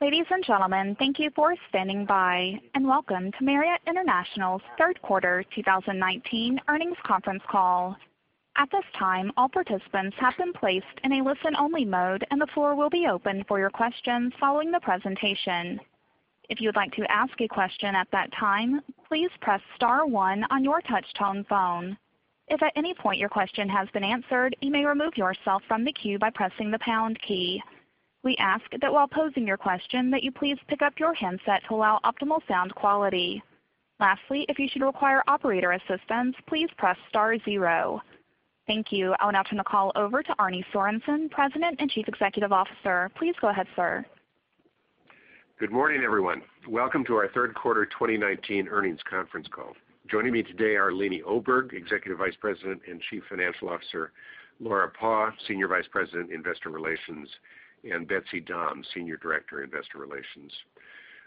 Ladies and gentlemen, thank you for standing by, welcome to Marriott International's third quarter 2019 earnings conference call. At this time, all participants have been placed in a listen-only mode, and the floor will be open for your questions following the presentation. If you would like to ask a question at that time, please press star one on your touch-tone phone. If at any point your question has been answered, you may remove yourself from the queue by pressing the pound key. We ask that while posing your question, that you please pick up your handset to allow optimal sound quality. Lastly, if you should require operator assistance, please press star zero. Thank you. I'll now turn the call over to Arne Sorenson, President and Chief Executive Officer. Please go ahead, sir. Good morning, everyone. Welcome to our third quarter 2019 earnings conference call. Joining me today are Leeny Oberg, Executive Vice President and Chief Financial Officer, Laura Paugh, Senior Vice President, Investor Relations, and Betsy Dahm, Senior Director, Investor Relations.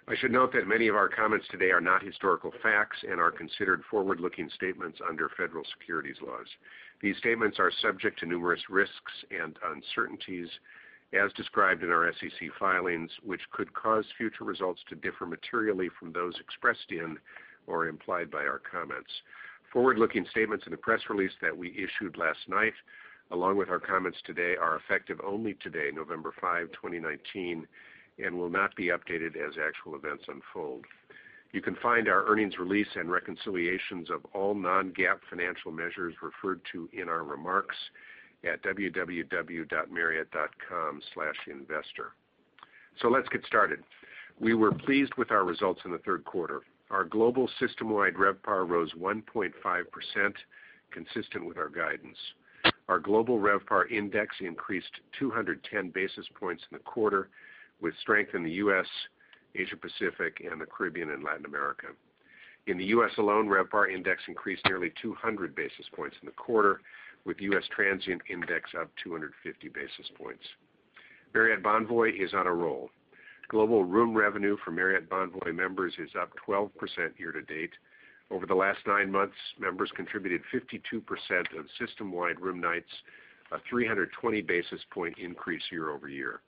I should note that many of our comments today are not historical facts and are considered forward-looking statements under federal securities laws. These statements are subject to numerous risks and uncertainties, as described in our SEC filings, which could cause future results to differ materially from those expressed in or implied by our comments. Forward-looking statements in the press release that we issued last night, along with our comments today, are effective only today, November 5, 2019, and will not be updated as actual events unfold. You can find our earnings release and reconciliations of all non-GAAP financial measures referred to in our remarks at marriott.com/investor. Let's get started. We were pleased with our results in the third quarter. Our global systemwide RevPAR rose 1.5%, consistent with our guidance. Our global RevPAR index increased 210 basis points in the quarter, with strength in the U.S., Asia Pacific, and the Caribbean and Latin America. In the U.S. alone, RevPAR index increased nearly 200 basis points in the quarter, with U.S. transient index up 250 basis points. Marriott Bonvoy is on a roll. Global room revenue for Marriott Bonvoy members is up 12% year-to-date. Over the last nine months, members contributed 52% of systemwide room nights, a 320 basis point increase year-over-year.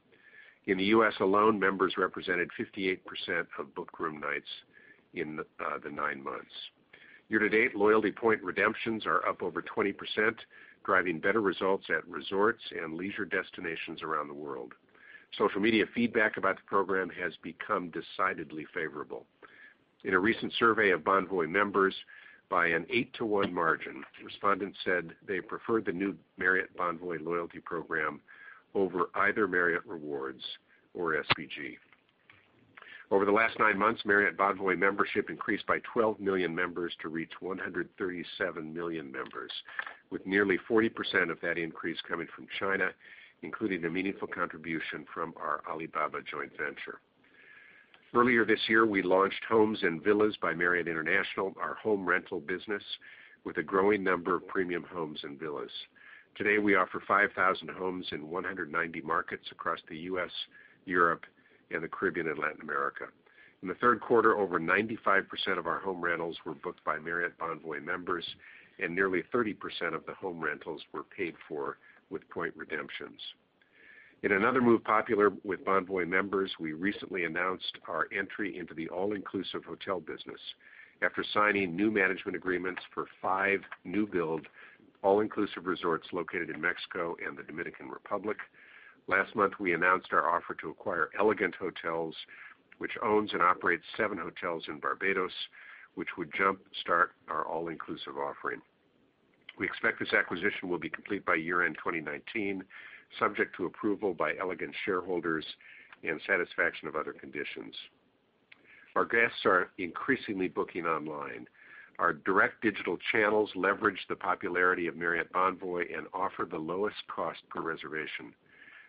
In the U.S. alone, members represented 58% of booked room nights in the nine months. Year-to-date, loyalty point redemptions are up over 20%, driving better results at resorts and leisure destinations around the world. Social media feedback about the program has become decidedly favorable. In a recent survey of Bonvoy members, by an 8-to-1 margin, respondents said they preferred the new Marriott Bonvoy loyalty program over either Marriott Rewards or SPG. Over the last nine months, Marriott Bonvoy membership increased by 12 million members to reach 137 million members, with nearly 40% of that increase coming from China, including a meaningful contribution from our Alibaba joint venture. Earlier this year, we launched Homes & Villas by Marriott International, our home rental business, with a growing number of premium homes and villas. Today, we offer 5,000 homes in 190 markets across the U.S., Europe, and the Caribbean and Latin America. In the third quarter, over 95% of our home rentals were booked by Marriott Bonvoy members, and nearly 30% of the home rentals were paid for with point redemptions. In another move popular with Bonvoy members, we recently announced our entry into the all-inclusive hotel business after signing new management agreements for five new build all-inclusive resorts located in Mexico and the Dominican Republic. Last month, we announced our offer to acquire Elegant Hotels, which owns and operates seven hotels in Barbados, which would jumpstart our all-inclusive offering. We expect this acquisition will be complete by year-end 2019, subject to approval by Elegant shareholders and satisfaction of other conditions. Our guests are increasingly booking online. Our direct digital channels leverage the popularity of Marriott Bonvoy and offer the lowest cost per reservation.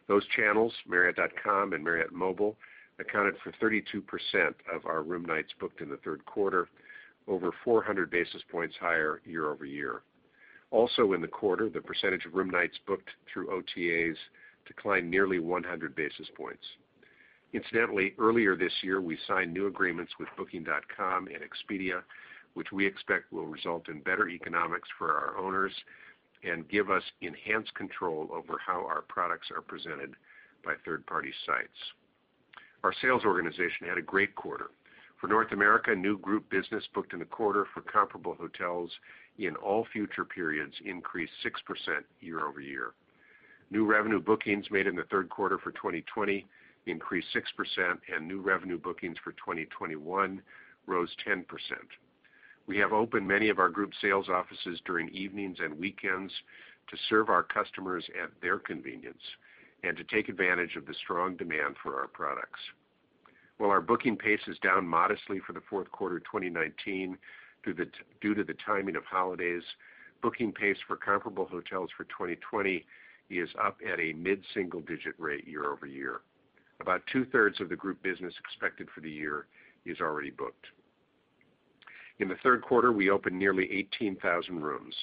Those channels, marriott.com and Marriott Bonvoy App, accounted for 32% of our room nights booked in the third quarter, over 400 basis points higher year-over-year. Also in the quarter, the percentage of room nights booked through OTAs declined nearly 100 basis points. Incidentally, earlier this year, we signed new agreements with Booking.com and Expedia, which we expect will result in better economics for our owners and give us enhanced control over how our products are presented by third-party sites. Our sales organization had a great quarter. For North America, new group business booked in the quarter for comparable hotels in all future periods increased 6% year-over-year. New revenue bookings made in the third quarter for 2020 increased 6%, and new revenue bookings for 2021 rose 10%. We have opened many of our group sales offices during evenings and weekends to serve our customers at their convenience and to take advantage of the strong demand for our products. While our booking pace is down modestly for the 4th quarter 2019 due to the timing of holidays, booking pace for comparable hotels for 2020 is up at a mid-single-digit rate year-over-year. About two-thirds of the group business expected for the year is already booked. In the 3rd quarter, we opened nearly 18,000 rooms,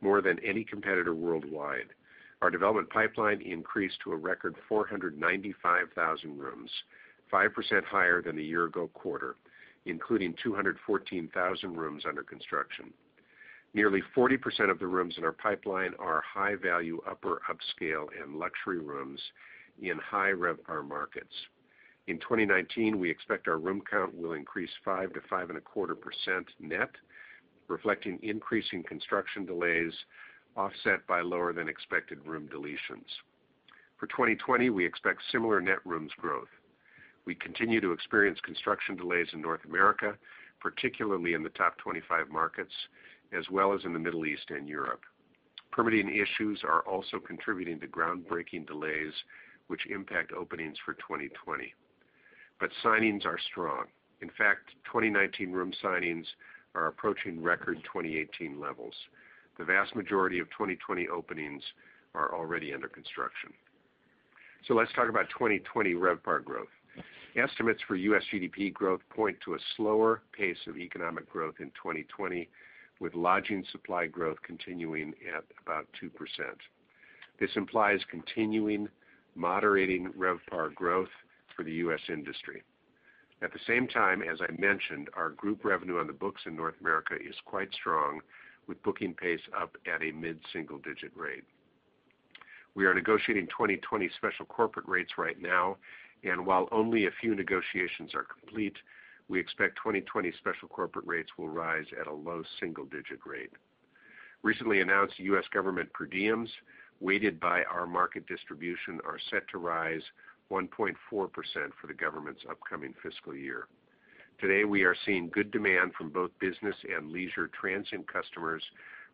more than any competitor worldwide. Our development pipeline increased to a record 495,000 rooms, 5% higher than the year ago quarter, including 214,000 rooms under construction. Nearly 40% of the rooms in our pipeline are high-value, upper upscale, and luxury rooms in high RevPAR markets. In 2019, we expect our room count will increase 5%-5.25% net, reflecting increasing construction delays offset by lower than expected room deletions. For 2020, we expect similar net rooms growth. We continue to experience construction delays in North America, particularly in the top 25 markets, as well as in the Middle East and Europe. Permitting issues are also contributing to groundbreaking delays, which impact openings for 2020. Signings are strong. In fact, 2019 room signings are approaching record 2018 levels. The vast majority of 2020 openings are already under construction. Let's talk about 2020 RevPAR growth. Estimates for U.S. GDP growth point to a slower pace of economic growth in 2020, with lodging supply growth continuing at about 2%. This implies continuing moderating RevPAR growth for the U.S. industry. At the same time, as I mentioned, our group revenue on the books in North America is quite strong, with booking pace up at a mid-single-digit rate. We are negotiating 2020 special corporate rates right now, and while only a few negotiations are complete, we expect 2020 special corporate rates will rise at a low single-digit rate. Recently announced US government per diems, weighted by our market distribution, are set to rise 1.4% for the government's upcoming fiscal year. Today, we are seeing good demand from both business and leisure transient customers,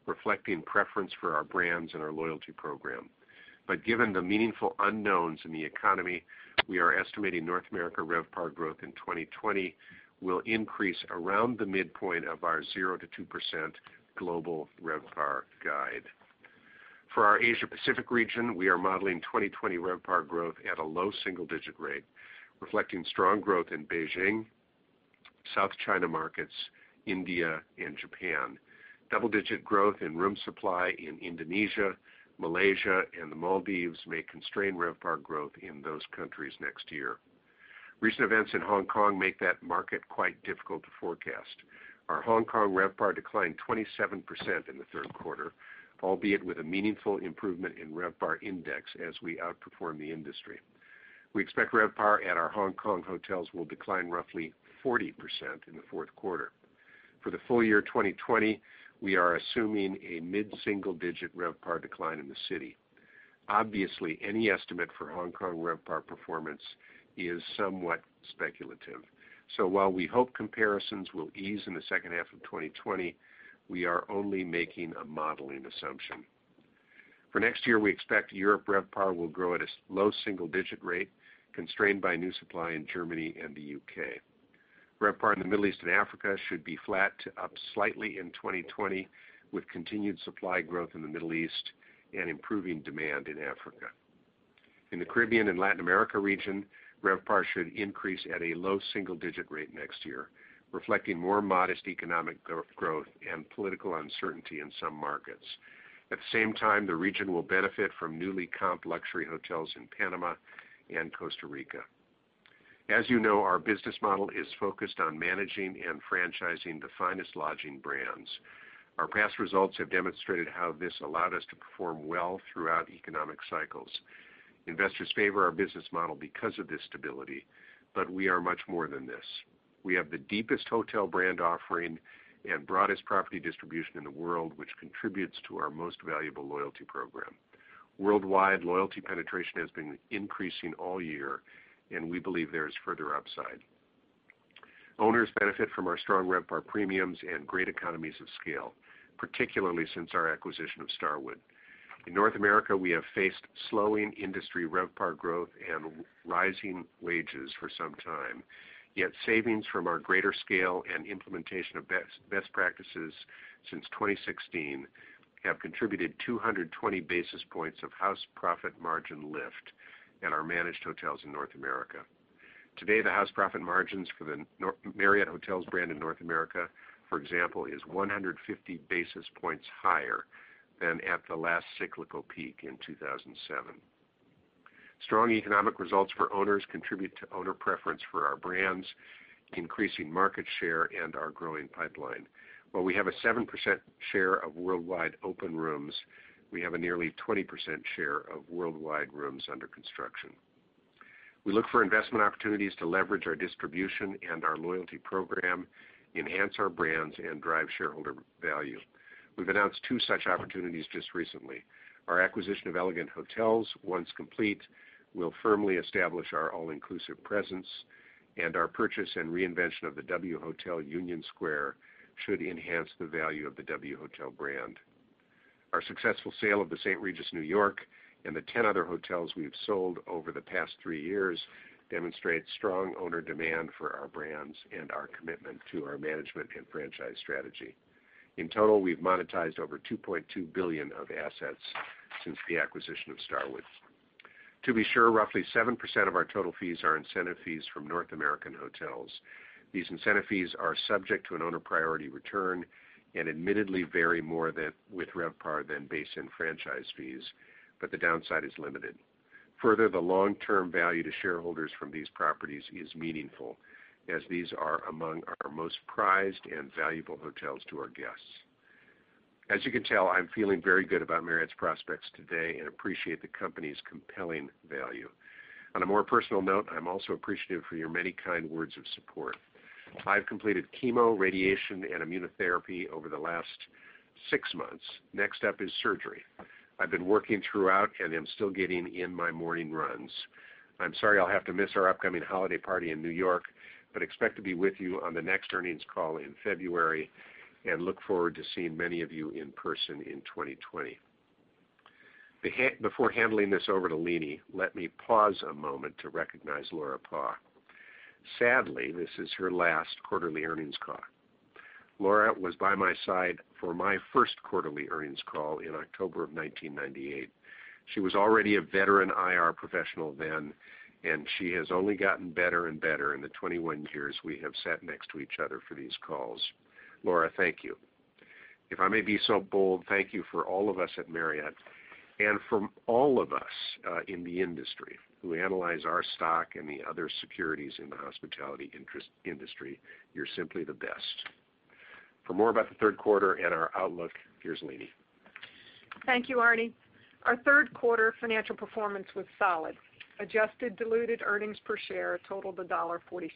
reflecting preference for our brands and our loyalty program. Given the meaningful unknowns in the economy, we are estimating North America RevPAR growth in 2020 will increase around the midpoint of our 0%-2% global RevPAR guide. For our Asia Pacific region, we are modeling 2020 RevPAR growth at a low single-digit rate, reflecting strong growth in Beijing, South China markets, India, and Japan. Double-digit growth in room supply in Indonesia, Malaysia, and the Maldives may constrain RevPAR growth in those countries next year. Recent events in Hong Kong make that market quite difficult to forecast. Our Hong Kong RevPAR declined 27% in the third quarter, albeit with a meaningful improvement in RevPAR index as we outperform the industry. We expect RevPAR at our Hong Kong hotels will decline roughly 40% in the fourth quarter. For the full year 2020, we are assuming a mid-single-digit RevPAR decline in the city. Obviously, any estimate for Hong Kong RevPAR performance is somewhat speculative. While we hope comparisons will ease in the second half of 2020, we are only making a modeling assumption. For next year, we expect Europe RevPAR will grow at a low single-digit rate, constrained by new supply in Germany and the U.K. RevPAR in the Middle East and Africa should be flat to up slightly in 2020, with continued supply growth in the Middle East and improving demand in Africa. In the Caribbean and Latin America region, RevPAR should increase at a low single-digit rate next year, reflecting more modest economic growth and political uncertainty in some markets. At the same time, the region will benefit from newly comped luxury hotels in Panama and Costa Rica. As you know, our business model is focused on managing and franchising the finest lodging brands. Our past results have demonstrated how this allowed us to perform well throughout economic cycles. Investors favor our business model because of this stability, but we are much more than this. We have the deepest hotel brand offering and broadest property distribution in the world, which contributes to our most valuable loyalty program. Worldwide loyalty penetration has been increasing all year, and we believe there is further upside. Owners benefit from our strong RevPAR premiums and great economies of scale, particularly since our acquisition of Starwood. In North America, we have faced slowing industry RevPAR growth and rising wages for some time. Yet savings from our greater scale and implementation of best practices since 2016 have contributed 220 basis points of house profit margin lift at our managed hotels in North America. Today, the house profit margins for the Marriott hotels brand in North America, for example, is 150 basis points higher than at the last cyclical peak in 2007. Strong economic results for owners contribute to owner preference for our brands, increasing market share, and our growing pipeline. While we have a 7% share of worldwide open rooms, we have a nearly 20% share of worldwide rooms under construction. We look for investment opportunities to leverage our distribution and our loyalty program, enhance our brands, and drive shareholder value. We've announced two such opportunities just recently. Our acquisition of Elegant Hotels, once complete, will firmly establish our all-inclusive presence, and our purchase and reinvention of the W New York - Union Square should enhance the value of the W Hotels brand. Our successful sale of The St. Regis New York and the 10 other hotels we have sold over the past three years demonstrate strong owner demand for our brands and our commitment to our management and franchise strategy. In total, we've monetized over $2.2 billion of assets since the acquisition of Starwood. To be sure, roughly 7% of our total fees are incentive fees from North American hotels. These incentive fees are subject to an owner priority return and admittedly vary more with RevPAR than base and franchise fees, but the downside is limited. The long-term value to shareholders from these properties is meaningful, as these are among our most prized and valuable hotels to our guests. As you can tell, I'm feeling very good about Marriott's prospects today and appreciate the company's compelling value. On a more personal note, I'm also appreciative for your many kind words of support. I've completed chemo, radiation, and immunotherapy over the last six months. Next up is surgery. I've been working throughout, and I'm still getting in my morning runs. I'm sorry I'll have to miss our upcoming holiday party in New York, but expect to be with you on the next earnings call in February, and look forward to seeing many of you in person in 2020. Before handling this over to Leeny, let me pause a moment to recognize Laura Paugh. Sadly, this is her last quarterly earnings call. Laura was by my side for my first quarterly earnings call in October of 1998. She was already a veteran IR professional then, and she has only gotten better and better in the 21 years we have sat next to each other for these calls. Laura, thank you. If I may be so bold, thank you from all of us at Marriott, and from all of us in the industry who analyze our stock and the other securities in the hospitality industry. You're simply the best. For more about the third quarter and our outlook, here's Leeny. Thank you, Arne. Our third quarter financial performance was solid. Adjusted diluted earnings per share totaled $1.47.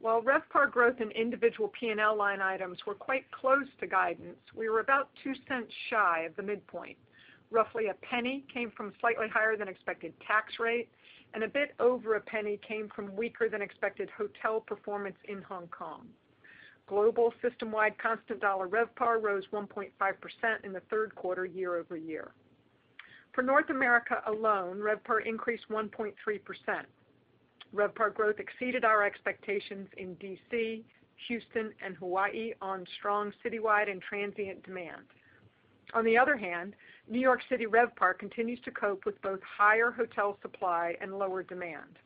While RevPAR growth in individual P&L line items were quite close to guidance, we were about $0.02 shy of the midpoint. Roughly $0.01 came from slightly higher than expected tax rate, and a bit over $0.01 came from weaker than expected hotel performance in Hong Kong. Global system-wide constant dollar RevPAR rose 1.5% in the third quarter year-over-year. For North America alone, RevPAR increased 1.3%. RevPAR growth exceeded our expectations in D.C., Houston, and Hawaii on strong citywide and transient demand. On the other hand, New York City RevPAR continues to cope with both higher hotel supply and lower demand.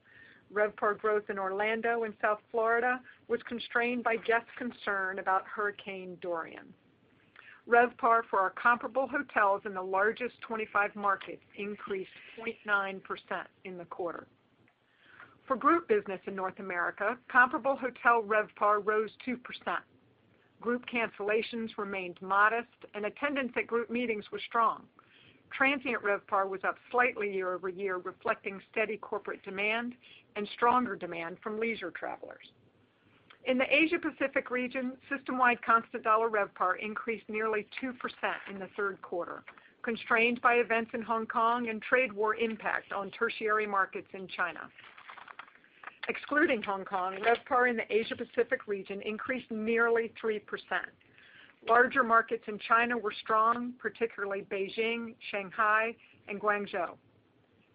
RevPAR growth in Orlando and South Florida was constrained by guest concern about Hurricane Dorian. RevPAR for our comparable hotels in the largest 25 markets increased 0.9% in the quarter. For group business in North America, comparable hotel RevPAR rose 2%. Group cancellations remained modest, and attendance at group meetings was strong. Transient RevPAR was up slightly year-over-year, reflecting steady corporate demand and stronger demand from leisure travelers. In the Asia Pacific region, system-wide constant dollar RevPAR increased nearly 2% in the third quarter, constrained by events in Hong Kong and trade war impact on tertiary markets in China. Excluding Hong Kong, RevPAR in the Asia Pacific region increased nearly 3%. Larger markets in China were strong, particularly Beijing, Shanghai, and Guangzhou.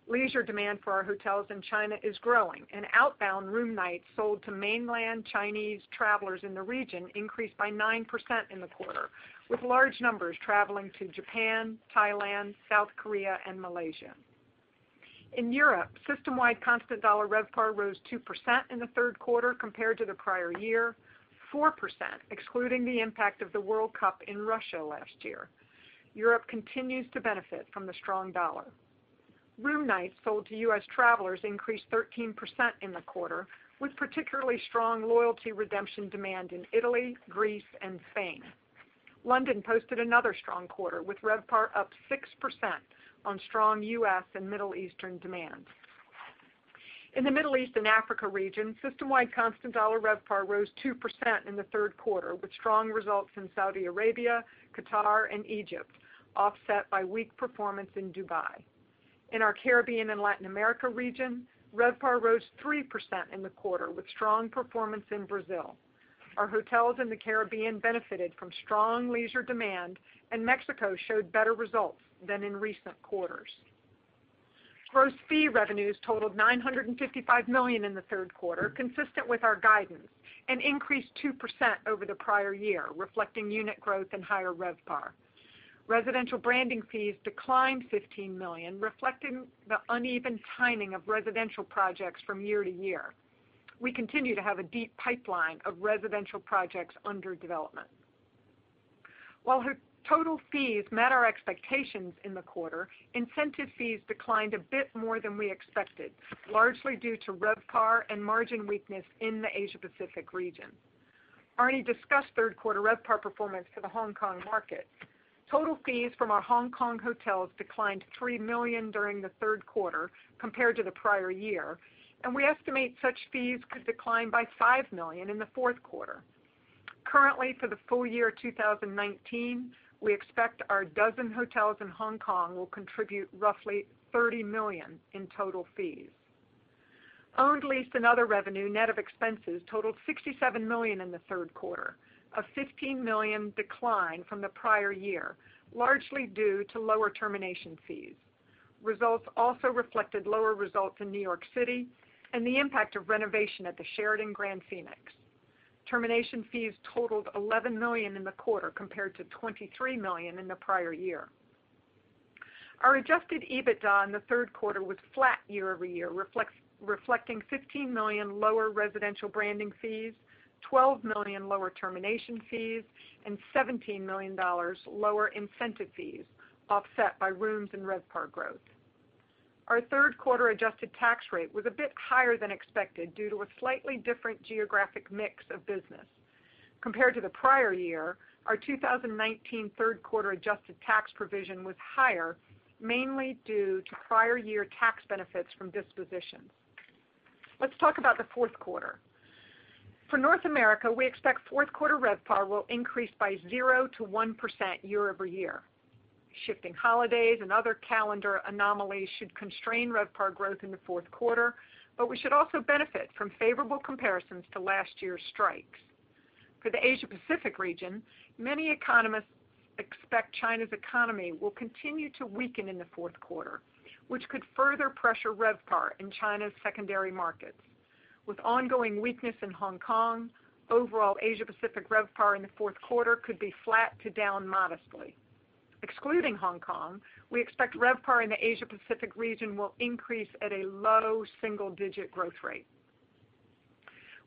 Leisure demand for our hotels in China is growing, and outbound room nights sold to mainland Chinese travelers in the region increased by 9% in the quarter, with large numbers traveling to Japan, Thailand, South Korea, and Malaysia. In Europe, system-wide constant dollar RevPAR rose 2% in the third quarter compared to the prior year, 4% excluding the impact of the World Cup in Russia last year. Europe continues to benefit from the strong dollar. Room nights sold to U.S. travelers increased 13% in the quarter, with particularly strong loyalty redemption demand in Italy, Greece, and Spain. London posted another strong quarter, with RevPAR up 6% on strong U.S. and Middle Eastern demand. In the Middle East and Africa region, system-wide constant dollar RevPAR rose 2% in the third quarter, with strong results in Saudi Arabia, Qatar, and Egypt, offset by weak performance in Dubai. In our Caribbean and Latin America region, RevPAR rose 3% in the quarter with strong performance in Brazil. Our hotels in the Caribbean benefited from strong leisure demand, and Mexico showed better results than in recent quarters. Gross fee revenues totaled $955 million in the third quarter, consistent with our guidance, and increased 2% over the prior year, reflecting unit growth and higher RevPAR. Residential branding fees declined $15 million, reflecting the uneven timing of residential projects from year to year. We continue to have a deep pipeline of residential projects under development. While total fees met our expectations in the quarter, incentive fees declined a bit more than we expected, largely due to RevPAR and margin weakness in the Asia Pacific region. Arne discussed third quarter RevPAR performance for the Hong Kong market. Total fees from our Hong Kong hotels declined $3 million during the third quarter compared to the prior year, and we estimate such fees could decline by $5 million in the fourth quarter. Currently, for the full year 2019, we expect our 12 hotels in Hong Kong will contribute roughly $30 million in total fees. Owned, leased, and other revenue net of expenses totaled $67 million in the third quarter, a $15 million decline from the prior year, largely due to lower termination fees. Results also reflected lower results in New York City and the impact of renovation at the Sheraton Grand Phoenix. Termination fees totaled $11 million in the quarter compared to $23 million in the prior year. Our adjusted EBITDA in the third quarter was flat year-over-year, reflecting $15 million lower residential branding fees, $12 million lower termination fees, and $17 million lower incentive fees, offset by rooms and RevPAR growth. Our third quarter adjusted tax rate was a bit higher than expected due to a slightly different geographic mix of business. Compared to the prior year, our 2019 third quarter adjusted tax provision was higher, mainly due to prior year tax benefits from dispositions. Let's talk about the fourth quarter. For North America, we expect fourth quarter RevPAR will increase by 0%-1% year-over-year. Shifting holidays and other calendar anomalies should constrain RevPAR growth in the fourth quarter, but we should also benefit from favorable comparisons to last year's strikes. For the Asia Pacific region, many economists expect China's economy will continue to weaken in the fourth quarter, which could further pressure RevPAR in China's secondary markets. With ongoing weakness in Hong Kong, overall Asia Pacific RevPAR in the fourth quarter could be flat to down modestly. Excluding Hong Kong, we expect RevPAR in the Asia Pacific region will increase at a low single-digit growth rate.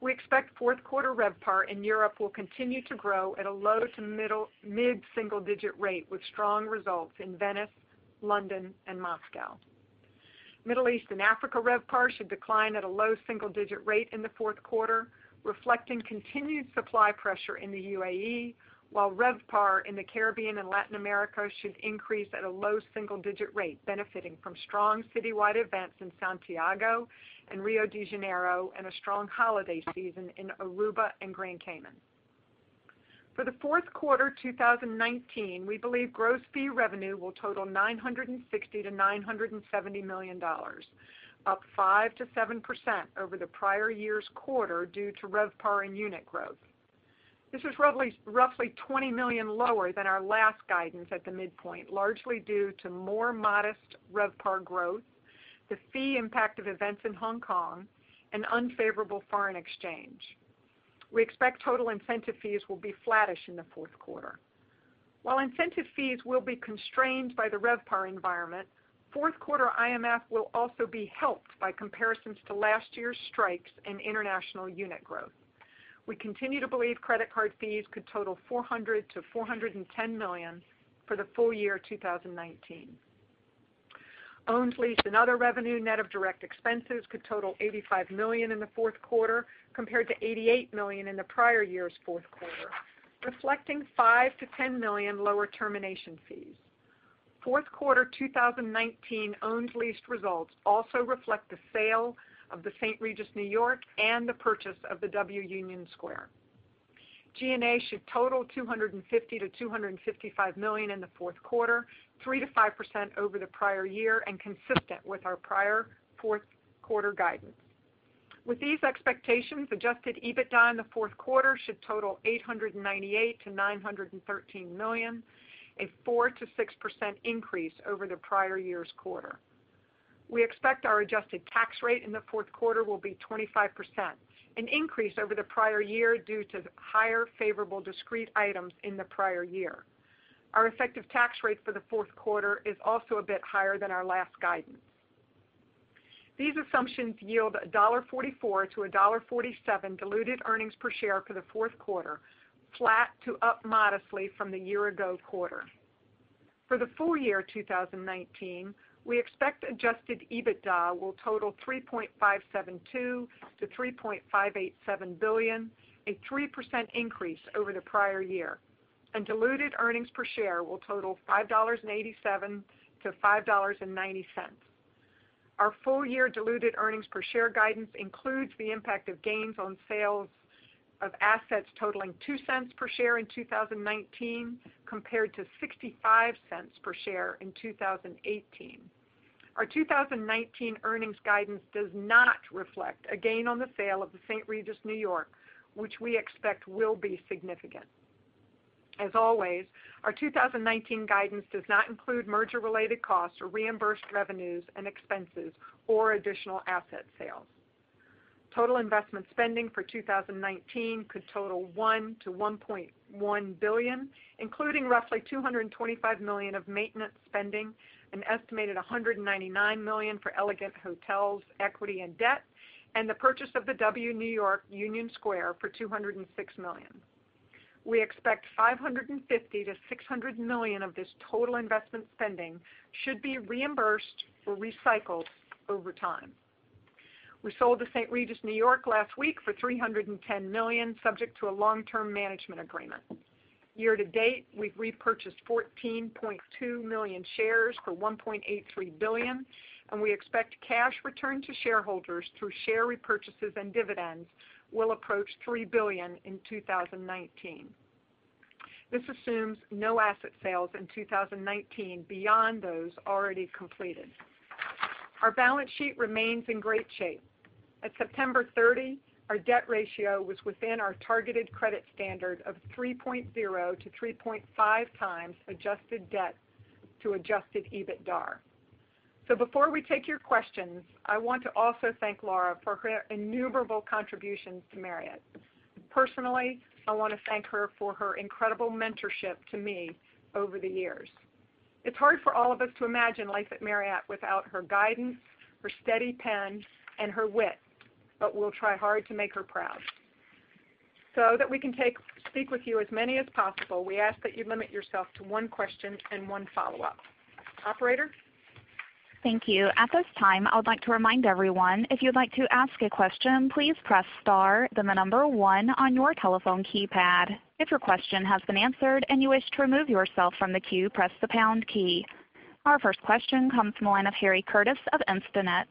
We expect fourth quarter RevPAR in Europe will continue to grow at a low to mid single-digit rate with strong results in Venice, London, and Moscow. Middle East and Africa RevPAR should decline at a low single-digit rate in the fourth quarter, reflecting continued supply pressure in the UAE, while RevPAR in the Caribbean and Latin America should increase at a low single-digit rate, benefiting from strong citywide events in Santiago and Rio de Janeiro and a strong holiday season in Aruba and Grand Cayman. For the fourth quarter 2019, we believe gross fee revenue will total $960 million-$970 million, up 5%-7% over the prior year's quarter due to RevPAR and unit growth. This is roughly $20 million lower than our last guidance at the midpoint, largely due to more modest RevPAR growth, the fee impact of events in Hong Kong, and unfavorable foreign exchange. We expect total incentive fees will be flattish in the fourth quarter. While incentive fees will be constrained by the RevPAR environment, fourth quarter IMF will also be helped by comparisons to last year's strikes and international unit growth. We continue to believe credit card fees could total $400 million-$410 million for the full year 2019. Owned, leased, and other revenue net of direct expenses could total $85 million in the fourth quarter, compared to $88 million in the prior year's fourth quarter, reflecting $5 million-$10 million lower termination fees. Fourth quarter 2019 owned, leased results also reflect the sale of The St. Regis New York and the purchase of the W Union Square. G&A should total $250 million-$255 million in the fourth quarter, 3%-5% over the prior year and consistent with our prior fourth quarter guidance. With these expectations, adjusted EBITDA in the fourth quarter should total $898 million-$913 million, a 4%-6% increase over the prior year's quarter. We expect our adjusted tax rate in the fourth quarter will be 25%, an increase over the prior year due to higher favorable discrete items in the prior year. Our effective tax rate for the fourth quarter is also a bit higher than our last guidance. These assumptions yield $1.44-$1.47 diluted earnings per share for the fourth quarter, flat to up modestly from the year-ago quarter. For the full year 2019, we expect adjusted EBITDA will total $3.572 billion-$3.587 billion, a 3% increase over the prior year, and diluted earnings per share will total $5.87-$5.90. Our full-year diluted earnings per share guidance includes the impact of gains on sales of assets totaling $0.02 per share in 2019, compared to $0.65 per share in 2018. Our 2019 earnings guidance does not reflect a gain on the sale of The St. Regis New York, which we expect will be significant. As always, our 2019 guidance does not include merger-related costs or reimbursed revenues and expenses or additional asset sales. Total investment spending for 2019 could total $1 billion-$1.1 billion, including roughly $225 million of maintenance spending, an estimated $199 million for Elegant Hotels equity and debt, and the purchase of the W New York - Union Square for $206 million. We expect $550 million-$600 million of this total investment spending should be reimbursed or recycled over time. We sold The St. Regis New York last week for $310 million, subject to a long-term management agreement. Year to date, we've repurchased 14.2 million shares for $1.83 billion, we expect cash returned to shareholders through share repurchases and dividends will approach $3 billion in 2019. This assumes no asset sales in 2019 beyond those already completed. Our balance sheet remains in great shape. At September 30, our debt ratio was within our targeted credit standard of 3.0 to 3.5 times adjusted debt to adjusted EBITDAR. Before we take your questions, I want to also thank Laura for her innumerable contributions to Marriott. Personally, I want to thank her for her incredible mentorship to me over the years. It's hard for all of us to imagine life at Marriott without her guidance, her steady pen, and her wit, but we'll try hard to make her proud. That we can speak with you as many as possible, we ask that you limit yourself to one question and one follow-up. Operator? Thank you. At this time, I would like to remind everyone, if you'd like to ask a question, please press star then the number 1 on your telephone keypad. If your question has been answered and you wish to remove yourself from the queue, press the pound key. Our first question comes from the line of Harry Curtis of Instinet.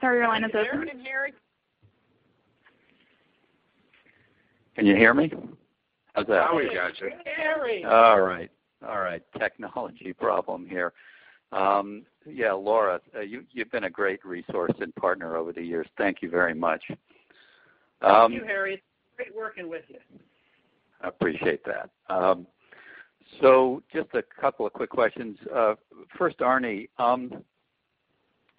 Sir, your line is open. Can you hear me, Harry? Can you hear me? How's that? Now we got you, Harry. All right. Technology problem here. Yeah, Laura, you've been a great resource and partner over the years. Thank you very much. Thank you, Harry. It's great working with you. I appreciate that. Just a couple of quick questions. First, Arne,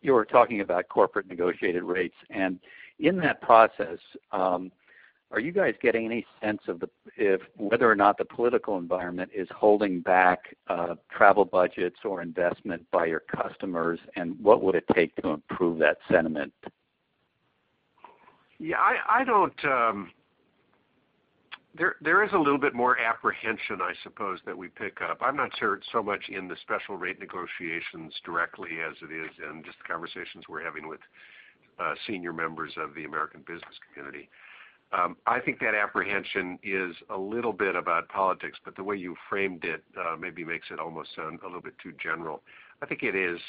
you were talking about corporate negotiated rates, and in that process, are you guys getting any sense of whether or not the political environment is holding back travel budgets or investment by your customers, and what would it take to improve that sentiment? Yeah, there is a little bit more apprehension, I suppose, that we pick up. I'm not sure it's so much in the special rate negotiations directly as it is in just the conversations we're having with senior members of the American business community. I think that apprehension is a little bit about politics, but the way you framed it maybe makes it almost sound a little bit too general. I think it is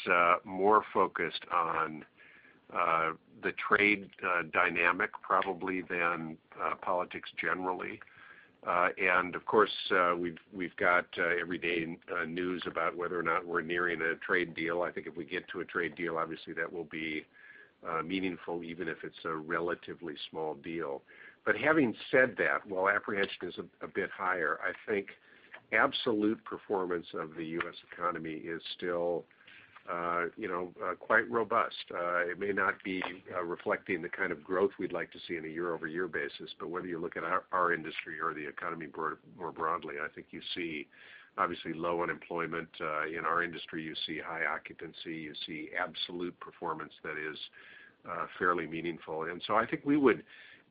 more focused on the trade dynamic, probably, than politics generally. Of course, we've got everyday news about whether or not we're nearing a trade deal. I think if we get to a trade deal, obviously that will be meaningful, even if it's a relatively small deal. Having said that, while apprehension is a bit higher, I think absolute performance of the U.S. economy is still quite robust. It may not be reflecting the kind of growth we'd like to see on a year-over-year basis, but whether you look at our industry or the economy more broadly, I think you see, obviously, low unemployment. In our industry, you see high occupancy, you see absolute performance that is fairly meaningful. I think we would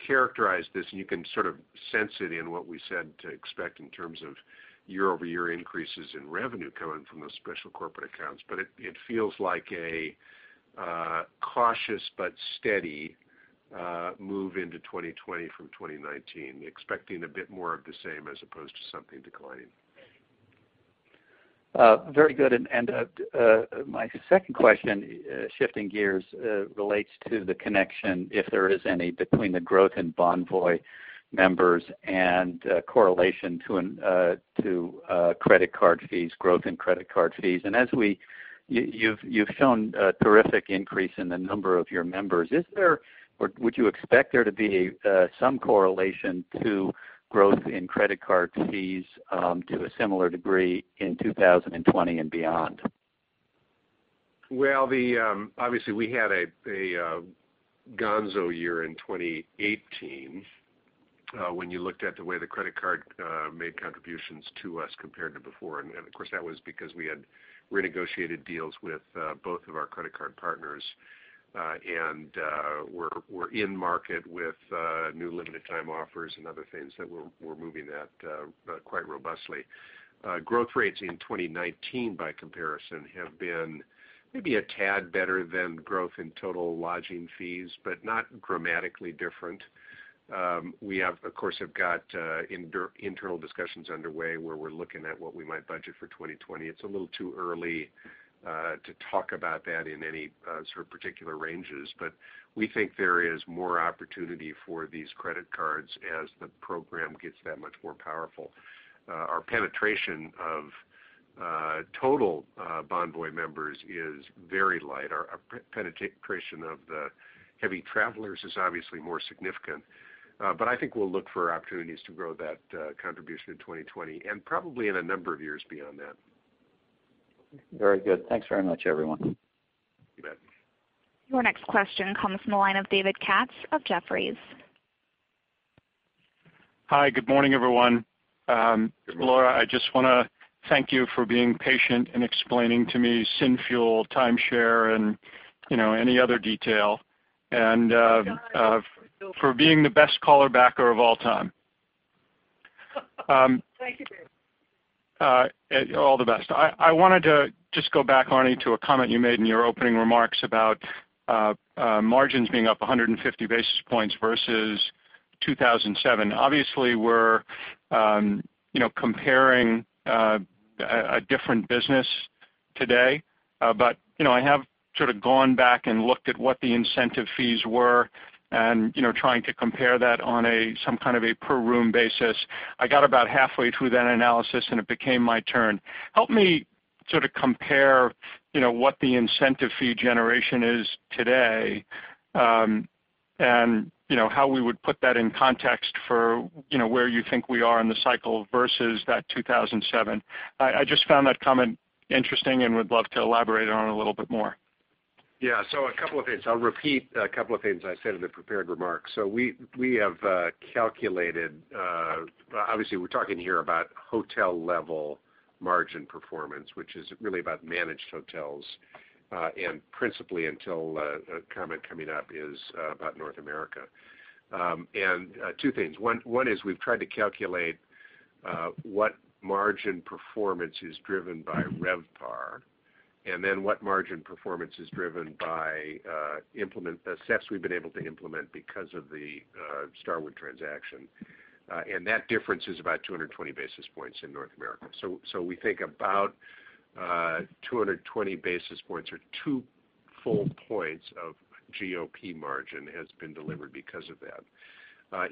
characterize this, and you can sort of sense it in what we said to expect in terms of year-over-year increases in revenue coming from those special corporate accounts. It feels like a cautious but steady move into 2020 from 2019, expecting a bit more of the same as opposed to something declining. Very good. My second question, shifting gears, relates to the connection, if there is any, between the growth in Bonvoy members and correlation to growth in credit card fees. As you've shown a terrific increase in the number of your members, would you expect there to be some correlation to growth in credit card fees to a similar degree in 2020 and beyond? Well, obviously we had a gonzo year in 2018 when you looked at the way the credit card made contributions to us compared to before. Of course, that was because we had renegotiated deals with both of our credit card partners, and were in market with new limited time offers and other things that were moving that quite robustly. Growth rates in 2019 by comparison, have been maybe a tad better than growth in total lodging fees. Not dramatically different. We, of course, have got internal discussions underway where we're looking at what we might budget for 2020. It's a little too early to talk about that in any sort of particular ranges. We think there is more opportunity for these credit cards as the program gets that much more powerful. Our penetration of total Bonvoy members is very light. Our penetration of the heavy travelers is obviously more significant. I think we'll look for opportunities to grow that contribution in 2020, and probably in a number of years beyond that. Very good. Thanks very much, everyone. You bet. Your next question comes from the line of David Katz of Jefferies. Hi. Good morning, everyone. Good morning. Laura, I just want to thank you for being patient and explaining to me Synth-fuel, timeshare, and any other detail. You're welcome for being the best caller backer of all time. Thank you, David. All the best. I wanted to just go back, Arne, to a comment you made in your opening remarks about margins being up 150 basis points versus 2007. Obviously, we're comparing a different business today, but I have sort of gone back and looked at what the incentive fees were and trying to compare that on some kind of a per room basis. I got about halfway through that analysis, and it became my turn. Help me sort of compare what the incentive fee generation is today, and how we would put that in context for where you think we are in the cycle versus that 2007. I just found that comment interesting and would love to elaborate on it a little bit more. Yeah. A couple of things. I'll repeat a couple of things I said in the prepared remarks. We're talking here about hotel-level margin performance, which is really about managed hotels. And principally until a comment coming up is about North America. Two things. One is we've tried to calculate what margin performance is driven by RevPAR, and then what margin performance is driven by steps we've been able to implement because of the Starwood transaction. That difference is about 220 basis points in North America. We think about 220 basis points or two full points of GOP margin has been delivered because of that.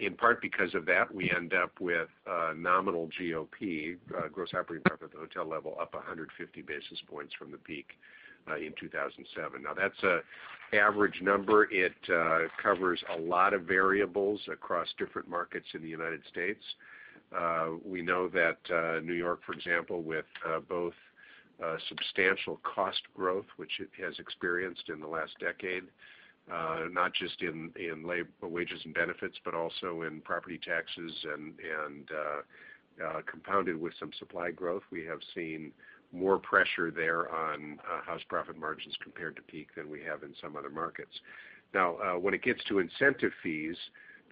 In part because of that, we end up with nominal GOP, gross operating profit at the hotel level, up 150 basis points from the peak in 2007. That's an average number. It covers a lot of variables across different markets in the U.S. We know that New York, for example, with both substantial cost growth, which it has experienced in the last decade, not just in labor, wages, and benefits, but also in property taxes and compounded with some supply growth, we have seen more pressure there on house profit margins compared to peak than we have in some other markets. When it gets to incentive fees,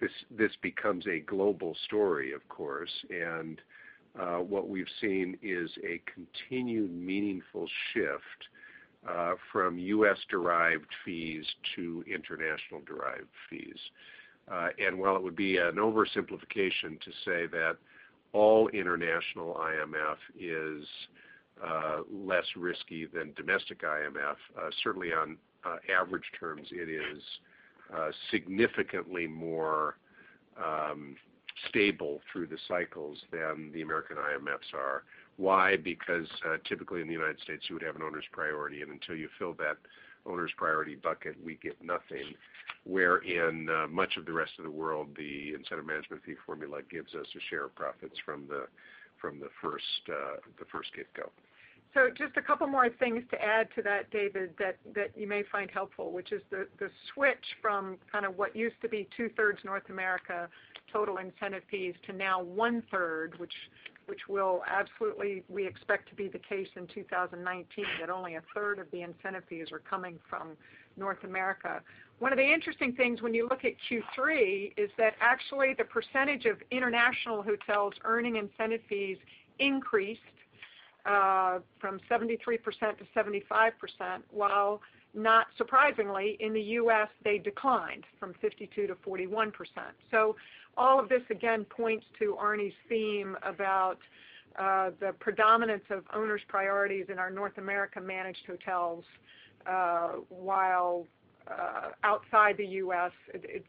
this becomes a global story, of course. What we've seen is a continued meaningful shift from U.S.-derived fees to international-derived fees. While it would be an oversimplification to say that all international IMF is less risky than domestic IMF, certainly on average terms, it is significantly more stable through the cycles than the American IMFs are. Why? Typically in the U.S., you would have an owner's priority, and until you fill that owner's priority bucket, we get nothing. Where in much of the rest of the world, the incentive management fee formula gives us a share of profits from the first get-go. Just a couple more things to add to that, David, that you may find helpful, which is the switch from what used to be two-thirds North America total incentive fees to now one-third, which will absolutely, we expect to be the case in 2019, that only a third of the incentive fees are coming from North America. One of the interesting things when you look at Q3 is that actually the percentage of international hotels earning incentive fees increased from 73% to 75%, while not surprisingly, in the U.S., they declined from 52% to 41%. All of this again points to Arne's theme about the predominance of owners' priorities in our North America managed hotels, while outside the U.S., it's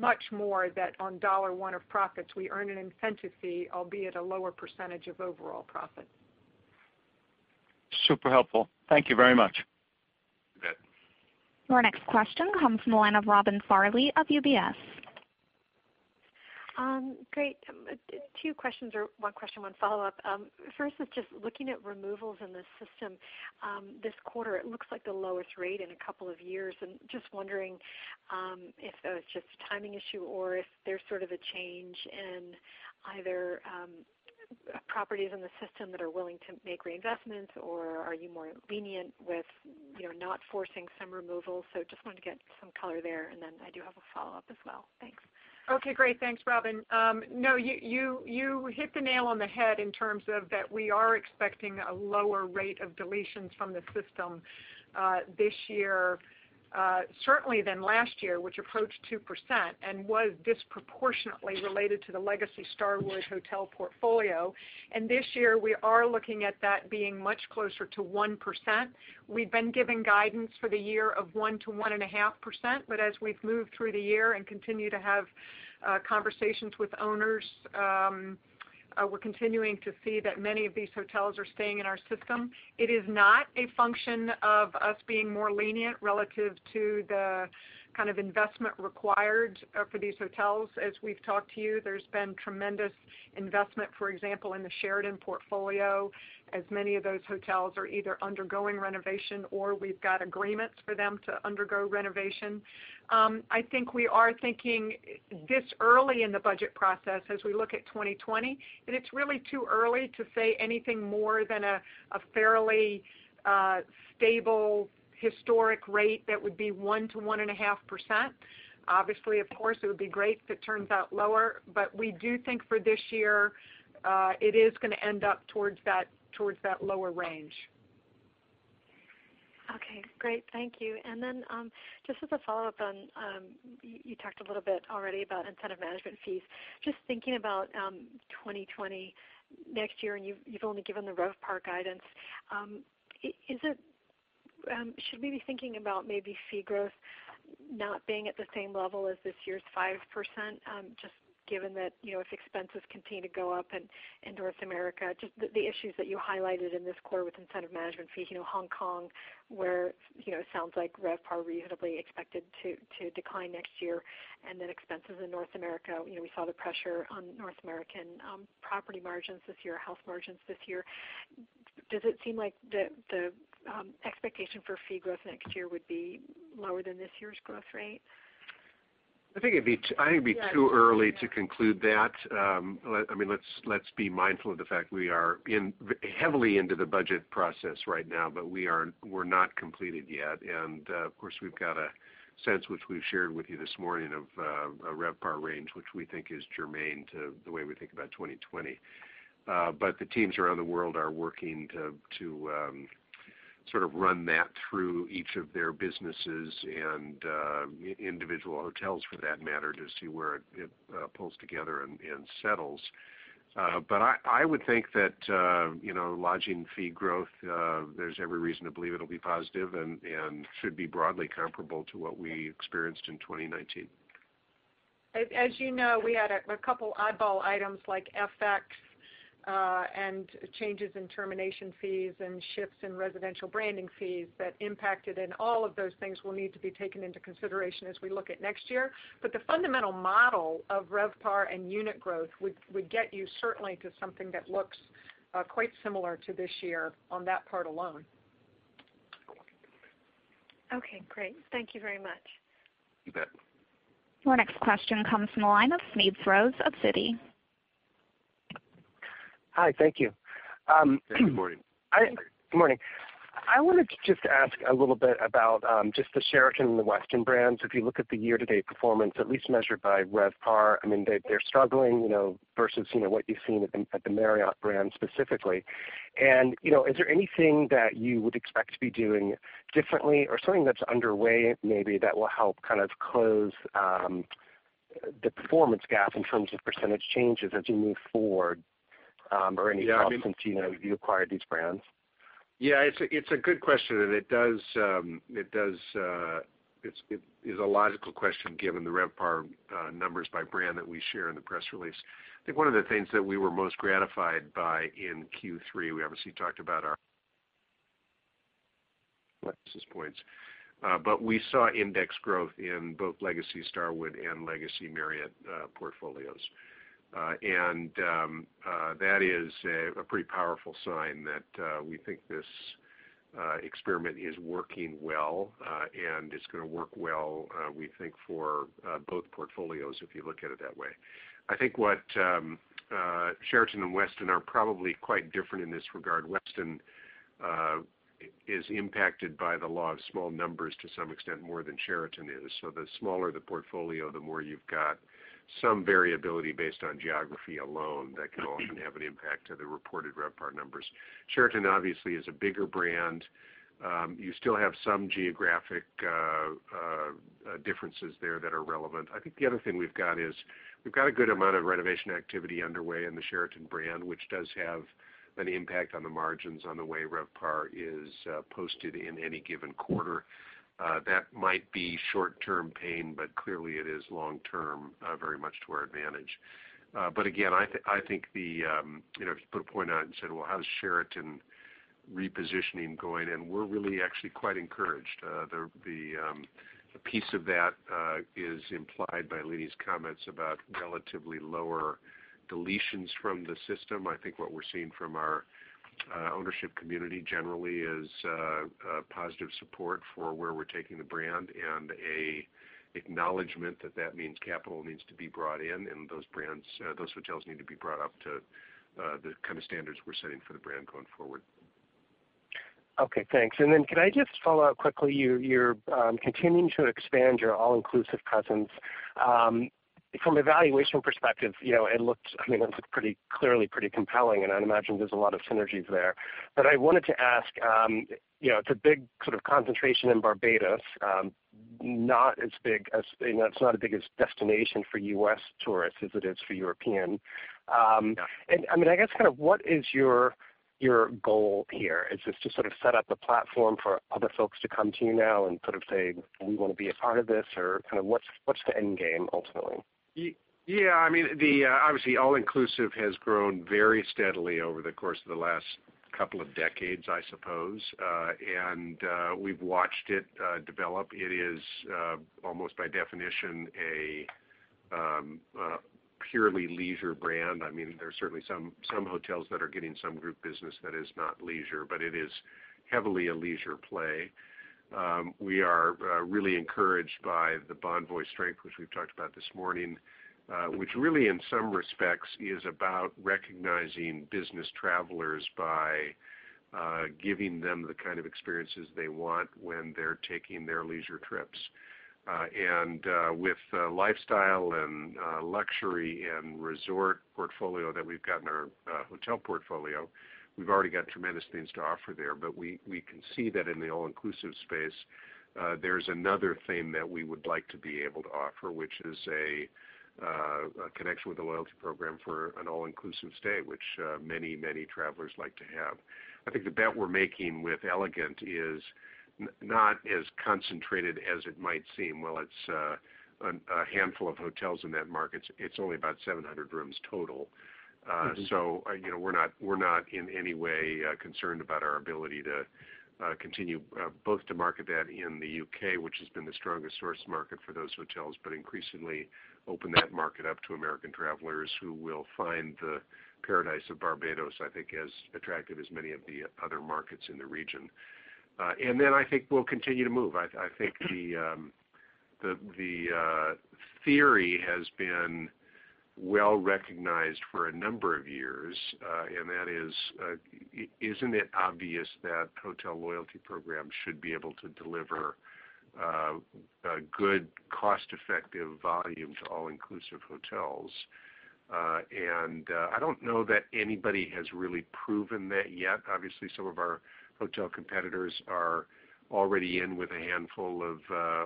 much more that on dollar one of profits, we earn an incentive fee, albeit a lower percentage of overall profit. Super helpful. Thank you very much. You bet. Our next question comes from the line of Robin Farley of UBS. Great. Two questions or one question, one follow-up. First is just looking at removals in the system. This quarter, it looks like the lowest rate in a couple of years, and just wondering if that was just a timing issue or if there's a change in either properties in the system that are willing to make reinvestments, or are you more lenient with not forcing some removals? Just wanted to get some color there, and then I do have a follow-up as well. Thanks. Okay, great. Thanks, Robin. You hit the nail on the head in terms of that we are expecting a lower rate of deletions from the system this year, certainly than last year, which approached 2% and was disproportionately related to the legacy Starwood hotel portfolio. This year, we are looking at that being much closer to 1%. We've been giving guidance for the year of 1%-1.5%, but as we've moved through the year and continue to have conversations with owners, we're continuing to see that many of these hotels are staying in our system. It is not a function of us being more lenient relative to the kind of investment required for these hotels. As we've talked to you, there's been tremendous investment, for example, in the Sheraton portfolio, as many of those hotels are either undergoing renovation or we've got agreements for them to undergo renovation. I think we are thinking this early in the budget process as we look at 2020, and it's really too early to say anything more than a fairly stable historic rate that would be 1%-1.5%. Obviously, of course, it would be great if it turns out lower, but we do think for this year, it is going to end up towards that lower range. Okay, great. Thank you. Just as a follow-up on you talked a little bit already about incentive management fees. Just thinking about 2020 next year, you've only given the RevPAR guidance. Should we be thinking about maybe fee growth not being at the same level as this year's 5%? Just given that if expenses continue to go up in North America, just the issues that you highlighted in this quarter with incentive management fees, Hong Kong, where it sounds like RevPAR reasonably expected to decline next year, expenses in North America. We saw the pressure on North American property margins this year, hotel margins this year. Does it seem like the expectation for fee growth next year would be lower than this year's growth rate? I think it'd be too early to conclude that. Let's be mindful of the fact we are heavily into the budget process right now, but we're not completed yet. Of course, we've got a sense, which we've shared with you this morning, of a RevPAR range, which we think is germane to the way we think about 2020. The teams around the world are working to run that through each of their businesses, and individual hotels for that matter, to see where it pulls together and settles. I would think that lodging fee growth, there's every reason to believe it'll be positive and should be broadly comparable to what we experienced in 2019. As you know, we had a couple eyeball items like FX and changes in termination fees and shifts in residential branding fees that impacted, and all of those things will need to be taken into consideration as we look at next year. The fundamental model of RevPAR and unit growth would get you certainly to something that looks quite similar to this year on that part alone. Okay, great. Thank you very much. You bet. Our next question comes from the line of Smedes Rose of Citi. Hi, thank you. Good morning. Morning. I wanted to just ask a little bit about just the Sheraton and the Westin brands. If you look at the year-to-date performance, at least measured by RevPAR, they're struggling versus what you've seen at the Marriott brand specifically. Is there anything that you would expect to be doing differently or something that's underway maybe that will help close the performance gap in terms of percentage changes as you move forward or any thoughts since you acquired these brands? Yeah, it's a good question. It is a logical question given the RevPAR numbers by brand that we share in the press release. I think one of the things that we were most gratified by in Q3. We obviously talked about our points. We saw index growth in both legacy Starwood and legacy Marriott portfolios. That is a pretty powerful sign that we think this experiment is working well and is going to work well, we think, for both portfolios, if you look at it that way. I think what Sheraton and Westin are probably quite different in this regard. Westin is impacted by the law of small numbers to some extent more than Sheraton is. The smaller the portfolio, the more you've got some variability based on geography alone that can often have an impact to the reported RevPAR numbers. Sheraton obviously is a bigger brand. You still have some geographic differences there that are relevant. I think the other thing we've got is we've got a good amount of renovation activity underway in the Sheraton brand, which does have an impact on the margins on the way RevPAR is posted in any given quarter. That might be short-term pain, but clearly it is long-term very much to our advantage. Again, I think to put a point on it and said, well, how does Sheraton repositioning going in? We're really actually quite encouraged. The piece of that is implied by Leeny's comments about relatively lower deletions from the system. I think what we're seeing from our ownership community generally is positive support for where we're taking the brand and an acknowledgment that that means capital needs to be brought in and those hotels need to be brought up to the kind of standards we're setting for the brand going forward. Okay, thanks. Then could I just follow up quickly, you're continuing to expand your all-inclusive presence. From a valuation perspective, it looks pretty clearly pretty compelling, and I'd imagine there's a lot of synergies there. I wanted to ask, it's a big sort of concentration in Barbados not as big as-- It's not as big as destination for U.S. tourists as it is for European. I guess what is your goal here? Is this to set up a platform for other folks to come to you now and say, "We want to be a part of this," or what's the end game ultimately? Yeah, obviously all-inclusive has grown very steadily over the course of the last couple of decades, I suppose. We've watched it develop. It is almost by definition a purely leisure brand. There are certainly some hotels that are getting some group business that is not leisure, but it is heavily a leisure play. We are really encouraged by the Bonvoy strength, which we've talked about this morning, which really in some respects is about recognizing business travelers by giving them the kind of experiences they want when they're taking their leisure trips. With lifestyle and luxury and resort portfolio that we've got in our hotel portfolio, we've already got tremendous things to offer there. We can see that in the all-inclusive space, there's another thing that we would like to be able to offer, which is a connection with a loyalty program for an all-inclusive stay, which many travelers like to have. I think the bet we're making with Elegant is not as concentrated as it might seem. While it's a handful of hotels in that market, it's only about 700 rooms total. We're not in any way concerned about our ability to continue both to market that in the U.K., which has been the strongest source market for those hotels, but increasingly open that market up to American travelers who will find the paradise of Barbados, I think, as attractive as many of the other markets in the region. I think we'll continue to move. I think the theory has been well-recognized for a number of years, and that is, isn't it obvious that hotel loyalty programs should be able to deliver a good cost-effective volume to all-inclusive hotels? I don't know that anybody has really proven that yet. Obviously, some of our hotel competitors are already in with a handful of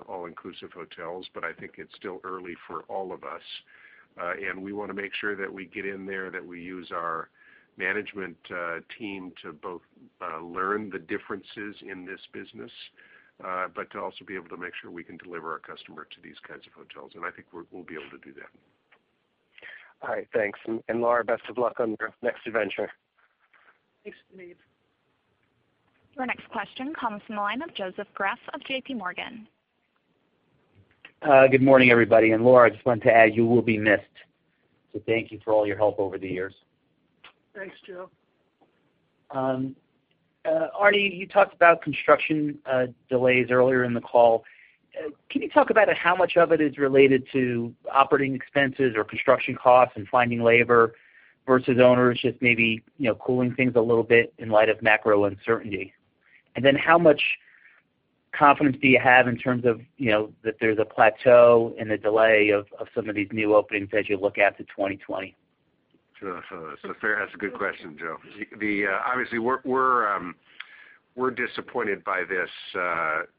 all-inclusive hotels, but I think it's still early for all of us, and we want to make sure that we get in there, that we use our management team to both learn the differences in this business, but to also be able to make sure we can deliver our customer to these kinds of hotels, and I think we'll be able to do that. All right, thanks. Laura, best of luck on your next adventure. Thanks, Smedes. Your next question comes from the line of Joseph Greff of JPMorgan. Good morning, everybody. Laura, I just wanted to add, you will be missed. Thank you for all your help over the years. Thanks, Joe. Arne, you talked about construction delays earlier in the call. Can you talk about how much of it is related to operating expenses or construction costs and finding labor versus owners just maybe cooling things a little bit in light of macro uncertainty? How much confidence do you have in terms of that there's a plateau in the delay of some of these new openings as you look out to 2020? Sure. That's a good question, Joe. Obviously, we're disappointed by this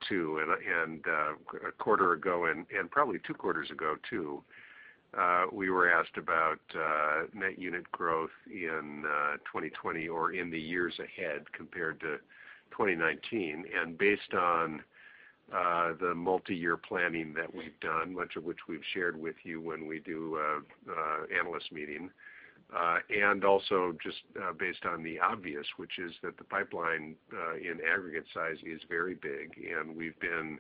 too, and a quarter ago and probably two quarters ago too, we were asked about net unit growth in 2020 or in the years ahead compared to 2019. Based on the multi-year planning that we've done, much of which we've shared with you when we do analyst meeting, and also just based on the obvious, which is that the pipeline in aggregate size is very big, and we've been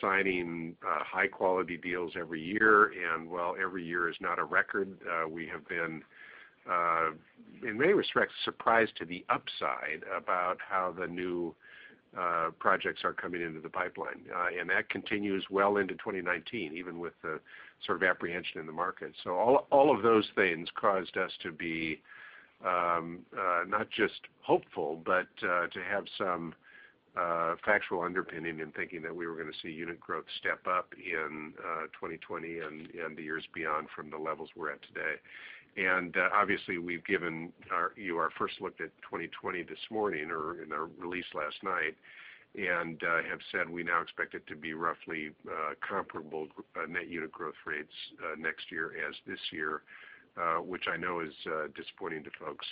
signing high-quality deals every year. While every year is not a record, we have been, in many respects, surprised to the upside about how the new projects are coming into the pipeline. That continues well into 2019, even with the sort of apprehension in the market. All of those things caused us to be not just hopeful, but to have some factual underpinning in thinking that we were going to see unit growth step up in 2020 and the years beyond from the levels we're at today. Obviously, we've given you our first look at 2020 this morning or in our release last night, and have said we now expect it to be roughly comparable net unit growth rates next year as this year, which I know is disappointing to folks.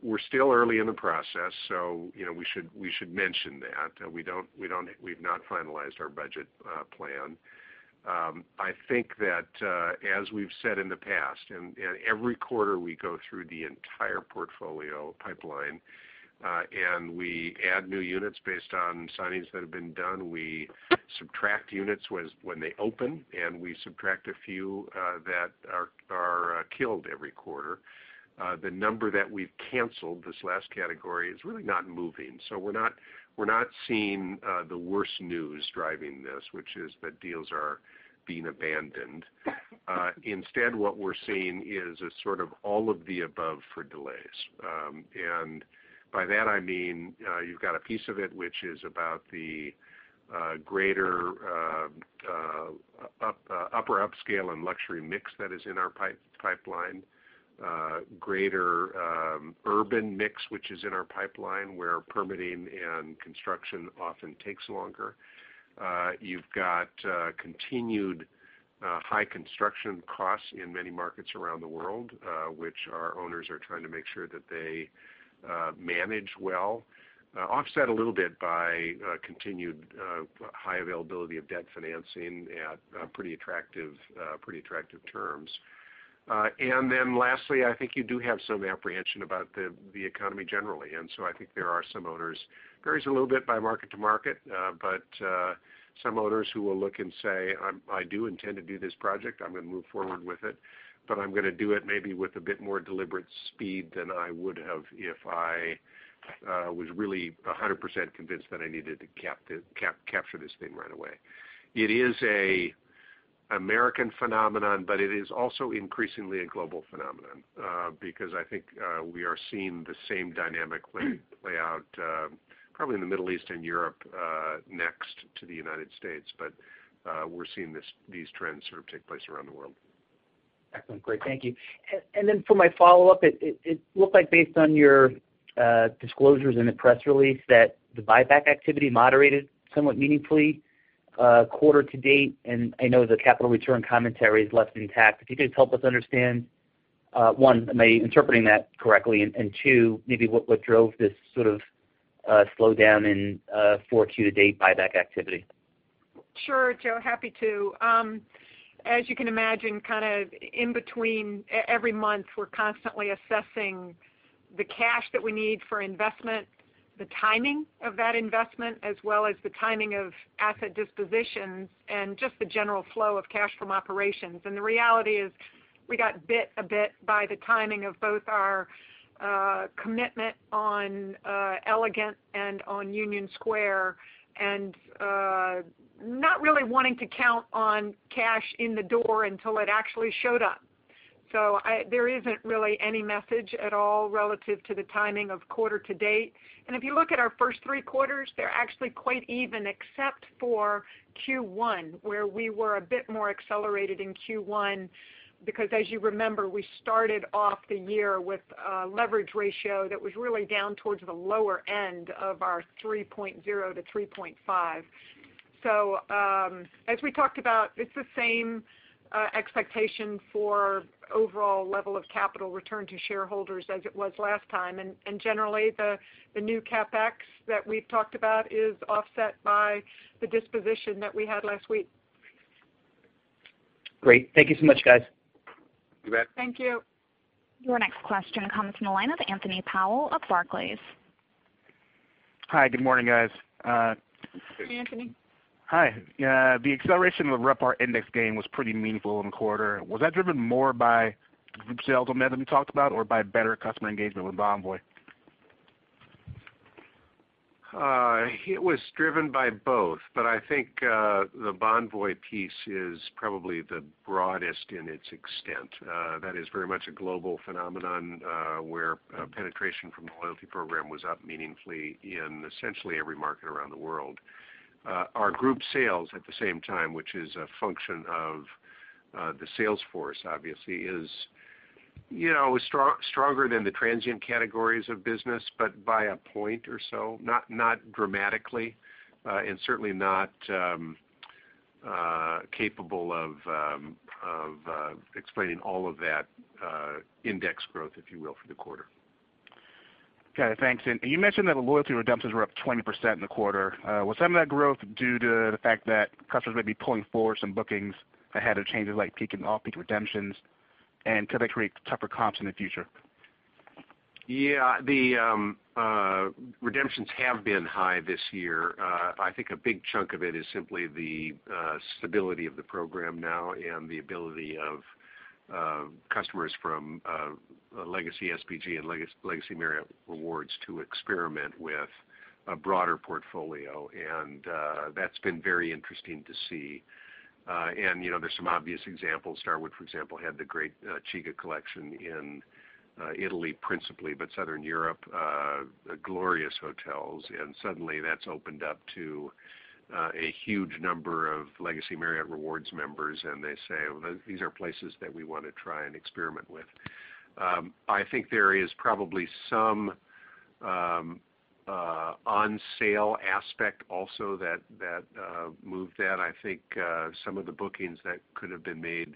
We're still early in the process, so we should mention that. We've not finalized our budget plan. I think that as we've said in the past, and every quarter we go through the entire portfolio pipeline, and we add new units based on signings that have been done. We subtract units when they open, and we subtract a few that are killed every quarter. The number that we've canceled, this last category, is really not moving. We're not seeing the worst news driving this, which is that deals are being abandoned. Instead, what we're seeing is a sort of all of the above for delays. By that I mean, you've got a piece of it, which is about the greater upper upscale and luxury mix that is in our pipeline, greater urban mix, which is in our pipeline, where permitting and construction often takes longer. You've got continued high construction costs in many markets around the world, which our owners are trying to make sure that they manage well, offset a little bit by continued high availability of debt financing at pretty attractive terms. Lastly, I think you do have some apprehension about the economy generally. I think there are some owners, varies a little bit by market to market, but some owners who will look and say, "I do intend to do this project. I'm going to move forward with it, but I'm going to do it maybe with a bit more deliberate speed than I would have if I was really 100% convinced that I needed to capture this thing right away." It is a American phenomenon, but it is also increasingly a global phenomenon, because I think we are seeing the same dynamic play out, probably in the Middle East and Europe next to the United States. We're seeing these trends sort of take place around the world. Excellent. Great. Thank you. For my follow-up, it looked like based on your disclosures in the press release, that the buyback activity moderated somewhat meaningfully quarter to date, and I know the capital return commentary is less than intact. If you could just help us understand, one, am I interpreting that correctly? Two, maybe what drove this sort of slowdown in 4Q to date buyback activity? Sure, Joseph, happy to. As you can imagine, kind of in between every month, we're constantly assessing the cash that we need for investment. The timing of that investment, as well as the timing of asset dispositions and just the general flow of cash from operations. The reality is we got bit by the timing of both our commitment on Elegant and on Union Square, and not really wanting to count on cash in the door until it actually showed up. There isn't really any message at all relative to the timing of quarter-to-date. If you look at our first three quarters, they're actually quite even, except for Q1, where we were a bit more accelerated in Q1, because as you remember, we started off the year with a leverage ratio that was really down towards the lower end of our 3.0-3.5. As we talked about, it's the same expectation for overall level of capital return to shareholders as it was last time. Generally, the new CapEx that we've talked about is offset by the disposition that we had last week. Great. Thank you so much, guys. You bet. Thank you. Your next question comes from the line of Anthony Powell of Barclays. Hi, good morning, guys. Hey, Anthony. Hi. The acceleration of the RevPAR index gain was pretty meaningful in the quarter. Was that driven more by group sales momentum you talked about or by better customer engagement with Bonvoy? It was driven by both, but I think the Bonvoy piece is probably the broadest in its extent. That is very much a global phenomenon, where penetration from the loyalty program was up meaningfully in essentially every market around the world. Our group sales at the same time, which is a function of the sales force, obviously is stronger than the transient categories of business, but by one point or so, not dramatically, and certainly not capable of explaining all of that index growth, if you will, for the quarter. Got it. Thanks. You mentioned that the loyalty redemptions were up 20% in the quarter. Was some of that growth due to the fact that customers may be pulling forward some bookings ahead of changes like peak and off-peak redemptions? Could they create tougher comps in the future? Yeah. The redemptions have been high this year. I think a big chunk of it is simply the stability of the program now and the ability of customers from legacy SPG and legacy Marriott Rewards to experiment with a broader portfolio. That's been very interesting to see. There's some obvious examples. Starwood, for example, had the great CIGA collection in Italy, principally, but Southern Europe, glorious hotels, and suddenly that's opened up to a huge number of legacy Marriott Rewards members, and they say, "Well, these are places that we want to try and experiment with." I think there is probably some on-sale aspect also that moved that. I think some of the bookings that could have been made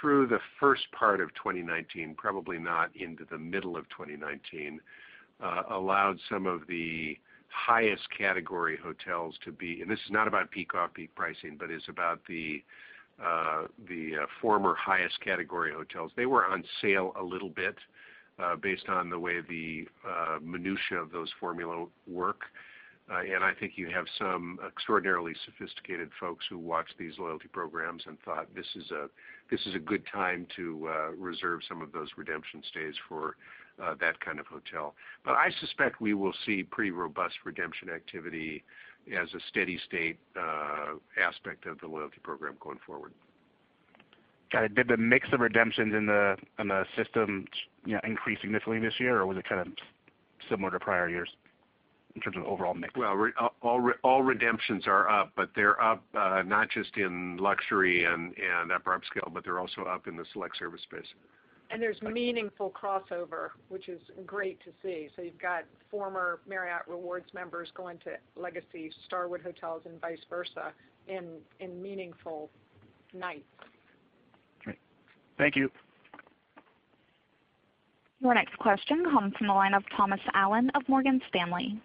through the first part of 2019, probably not into the middle of 2019, allowed some of the highest category hotels. This is not about peak off-peak pricing, but is about the former highest category hotels. They were on sale a little bit based on the way the minutiae of those formula work. I think you have some extraordinarily sophisticated folks who watch these loyalty programs and thought, this is a good time to reserve some of those redemption stays for that kind of hotel. I suspect we will see pretty robust redemption activity as a steady state aspect of the loyalty program going forward. Got it. Did the mix of redemptions in the systems increase significantly this year, or was it similar to prior years in terms of overall mix? Well, all redemptions are up, but they're up not just in luxury and upper upscale, but they're also up in the select service space. There's meaningful crossover, which is great to see. You've got former Marriott Rewards members going to legacy Starwood hotels and vice versa in meaningful nights. Great. Thank you. Your next question comes from the line of Thomas Allen of Morgan Stanley.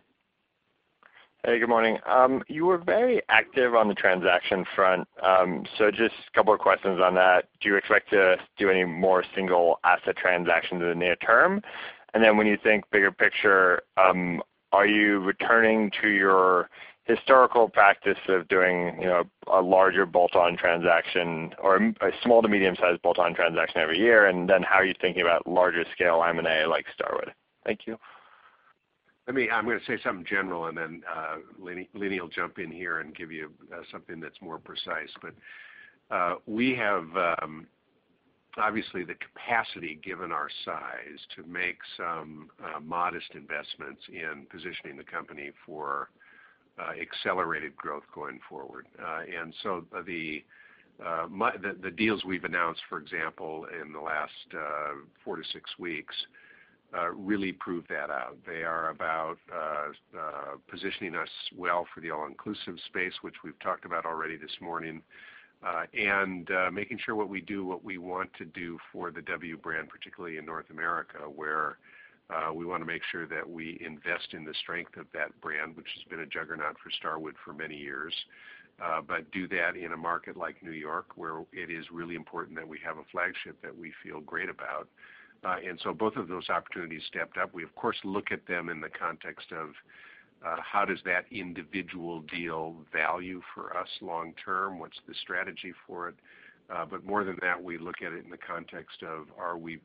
Hey, good morning. You were very active on the transaction front. Just a couple of questions on that. Do you expect to do any more single asset transactions in the near term? When you think bigger picture, are you returning to your historical practice of doing a larger bolt-on transaction or a small to medium-sized bolt-on transaction every year? How are you thinking about larger scale M&A, like Starwood? Thank you. I'm going to say something general and then Leeny will jump in here and give you something that's more precise. We have, obviously the capacity given our size to make some modest investments in positioning the company for accelerated growth going forward. The deals we've announced, for example, in the last four to six weeks, really prove that out. They are about positioning us well for the all-inclusive space, which we've talked about already this morning. Making sure what we do, what we want to do for the W brand, particularly in North America, where we want to make sure that we invest in the strength ofwhich has been a juggernaut for Starwood for many years, but do that in a market like New York, where it is really important that we have a flagship that we feel great about. Both of those opportunities stepped up. We of course, look at them in the context of how does that individual deal value for us long-term? What's the strategy for it? More than that, we look at it in the context of are we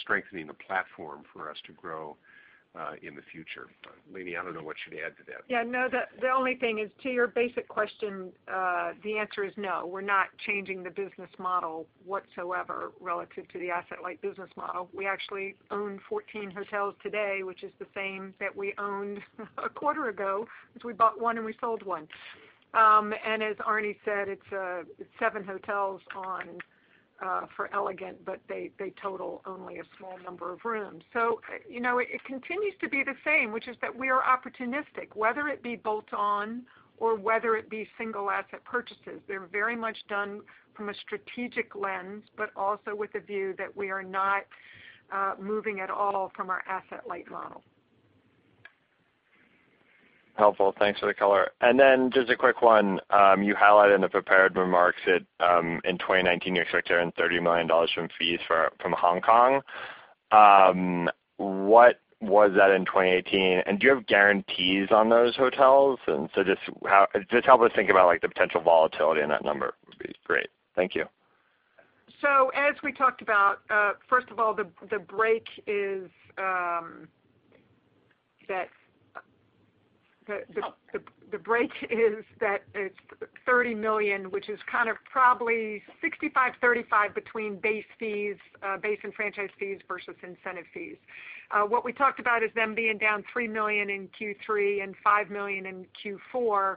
strengthening the platform for us to grow in the future? Leeny, I don't know what you'd add to that. Yeah, no. The only thing is, to your basic question, the answer is no, we're not changing the business model whatsoever relative to the asset-light business model. We actually own 14 hotels today, which is the same that we owned a quarter ago, because we bought one and we sold one. As Arne said, it's seven hotels on for Elegant, but they total only a small number of rooms. It continues to be the same, which is that we are opportunistic, whether it be bolt-on or whether it be single asset purchases. They're very much done from a strategic lens, but also with a view that we are not moving at all from our asset-light model. Helpful. Thanks for the color. Just a quick one. You highlighted in the prepared remarks that in 2019, you expect to earn $30 million from fees from Hong Kong. What was that in 2018? Do you have guarantees on those hotels? Just help us think about the potential volatility in that number would be great. Thank you. As we talked about, first of all, the break is that it's $30 million, which is probably 65/35 between base fees, base and franchise fees versus incentive fees. What we talked about is them being down $3 million in Q3 and $5 million in Q4.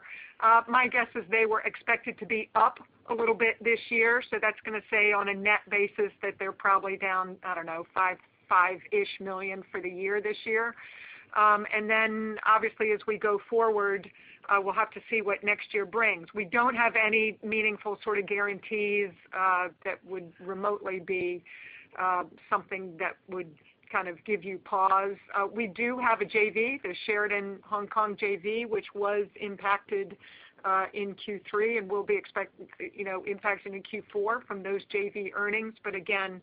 My guess is they were expected to be up a little bit this year, that's going to say on a net basis that they're probably down, I don't know, $5-ish million for the year this year. Then obviously as we go forward, we'll have to see what next year brings. We don't have any meaningful sort of guarantees that would remotely be something that would give you pause. We do have a JV, the Sheraton Hong Kong JV, which was impacted in Q3 and will be expecting impact into Q4 from those JV earnings. Again,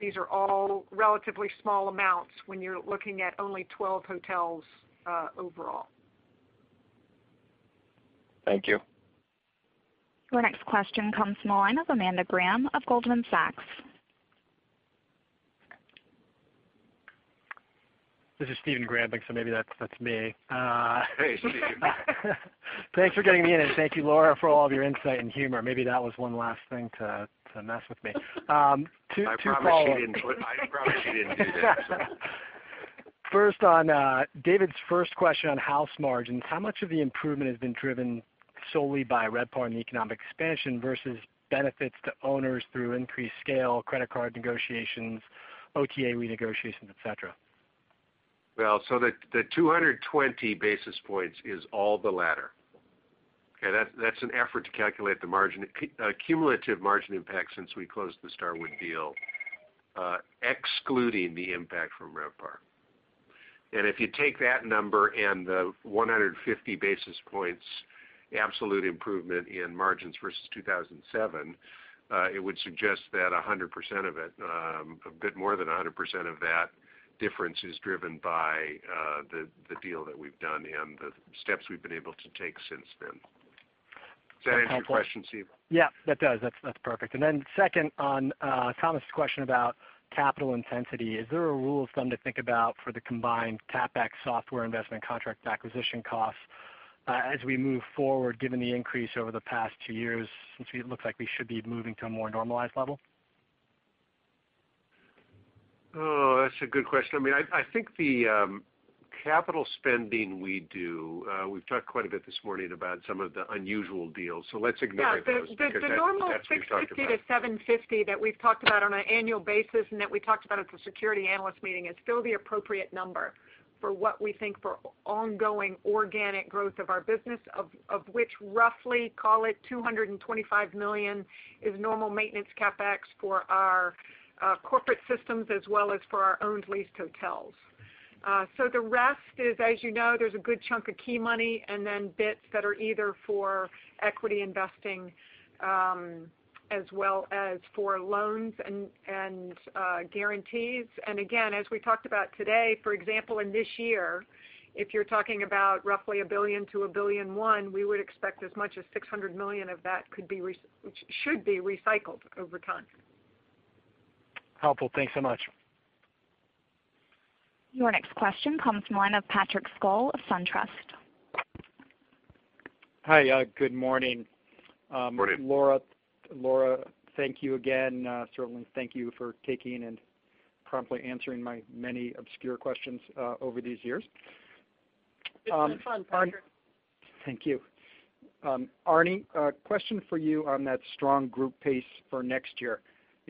these are all relatively small amounts when you're looking at only 12 hotels overall. Thank you. Your next question comes from the line of Stephen Grambling of Goldman Sachs. This is Stephen Grambling, so maybe that's me. Hey, Stephen. Thanks for getting me in, and thank you, Laura, for all of your insight and humor. Maybe that was one last thing to mess with me. Two follow-ups. I promise she didn't do that. On David's first question on house margins, how much of the improvement has been driven solely by RevPAR and the economic expansion versus benefits to owners through increased scale, credit card negotiations, OTA renegotiation, et cetera? The 220 basis points is all the latter. Okay. That's an effort to calculate the cumulative margin impact since we closed the Starwood deal, excluding the impact from RevPAR. If you take that number and the 150 basis points absolute improvement in margins versus 2007, it would suggest that 100% of it, a bit more than 100% of that difference is driven by the deal that we've done and the steps we've been able to take since then. Does that answer your question, Stephen? Yeah, that does. That's perfect. Second, on Thomas' question about capital intensity, is there a rule of thumb to think about for the combined CapEx software investment contract acquisition costs as we move forward given the increase over the past two years, since it looks like we should be moving to a more normalized level? That's a good question. I think the capital spending we do, we've talked quite a bit this morning about some of the unusual deals, let's ignore those because that's what you're talking about. Yeah. The normal $650 to $750 that we've talked about on an annual basis and that we talked about at the security analyst meeting is still the appropriate number for what we think for ongoing organic growth of our business, of which roughly, call it $225 million is normal maintenance CapEx for our corporate systems as well as for our owned leased hotels. The rest is, as you know, there's a good chunk of key money and then bits that are either for equity investing as well as for loans and guarantees. Again, as we talked about today, for example, in this year, if you're talking about roughly $1 billion to $1 billion and one, we would expect as much as $600 million of that should be recycled over time. Helpful. Thanks so much. Your next question comes from the line of Patrick Scholes of SunTrust. Hi. Good morning. Morning. Laura, thank you again. Certainly thank you for taking and promptly answering my many obscure questions over these years. It's been fun, Patrick. Thank you. Arne, a question for you on that strong group pace for next year.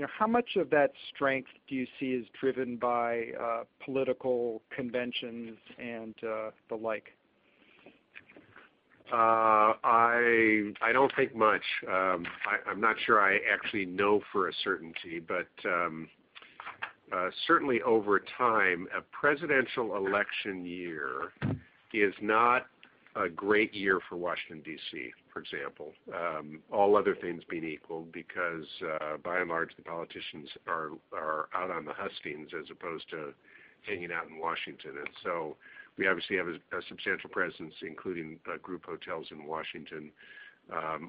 How much of that strength do you see is driven by political conventions and the like? I don't think much. I'm not sure I actually know for a certainty, but certainly over time, a presidential election year is not a great year for Washington, D.C., for example, all other things being equal, because by and large, the politicians are out on the hustings as opposed to hanging out in Washington. We obviously have a substantial presence, including group hotels in Washington.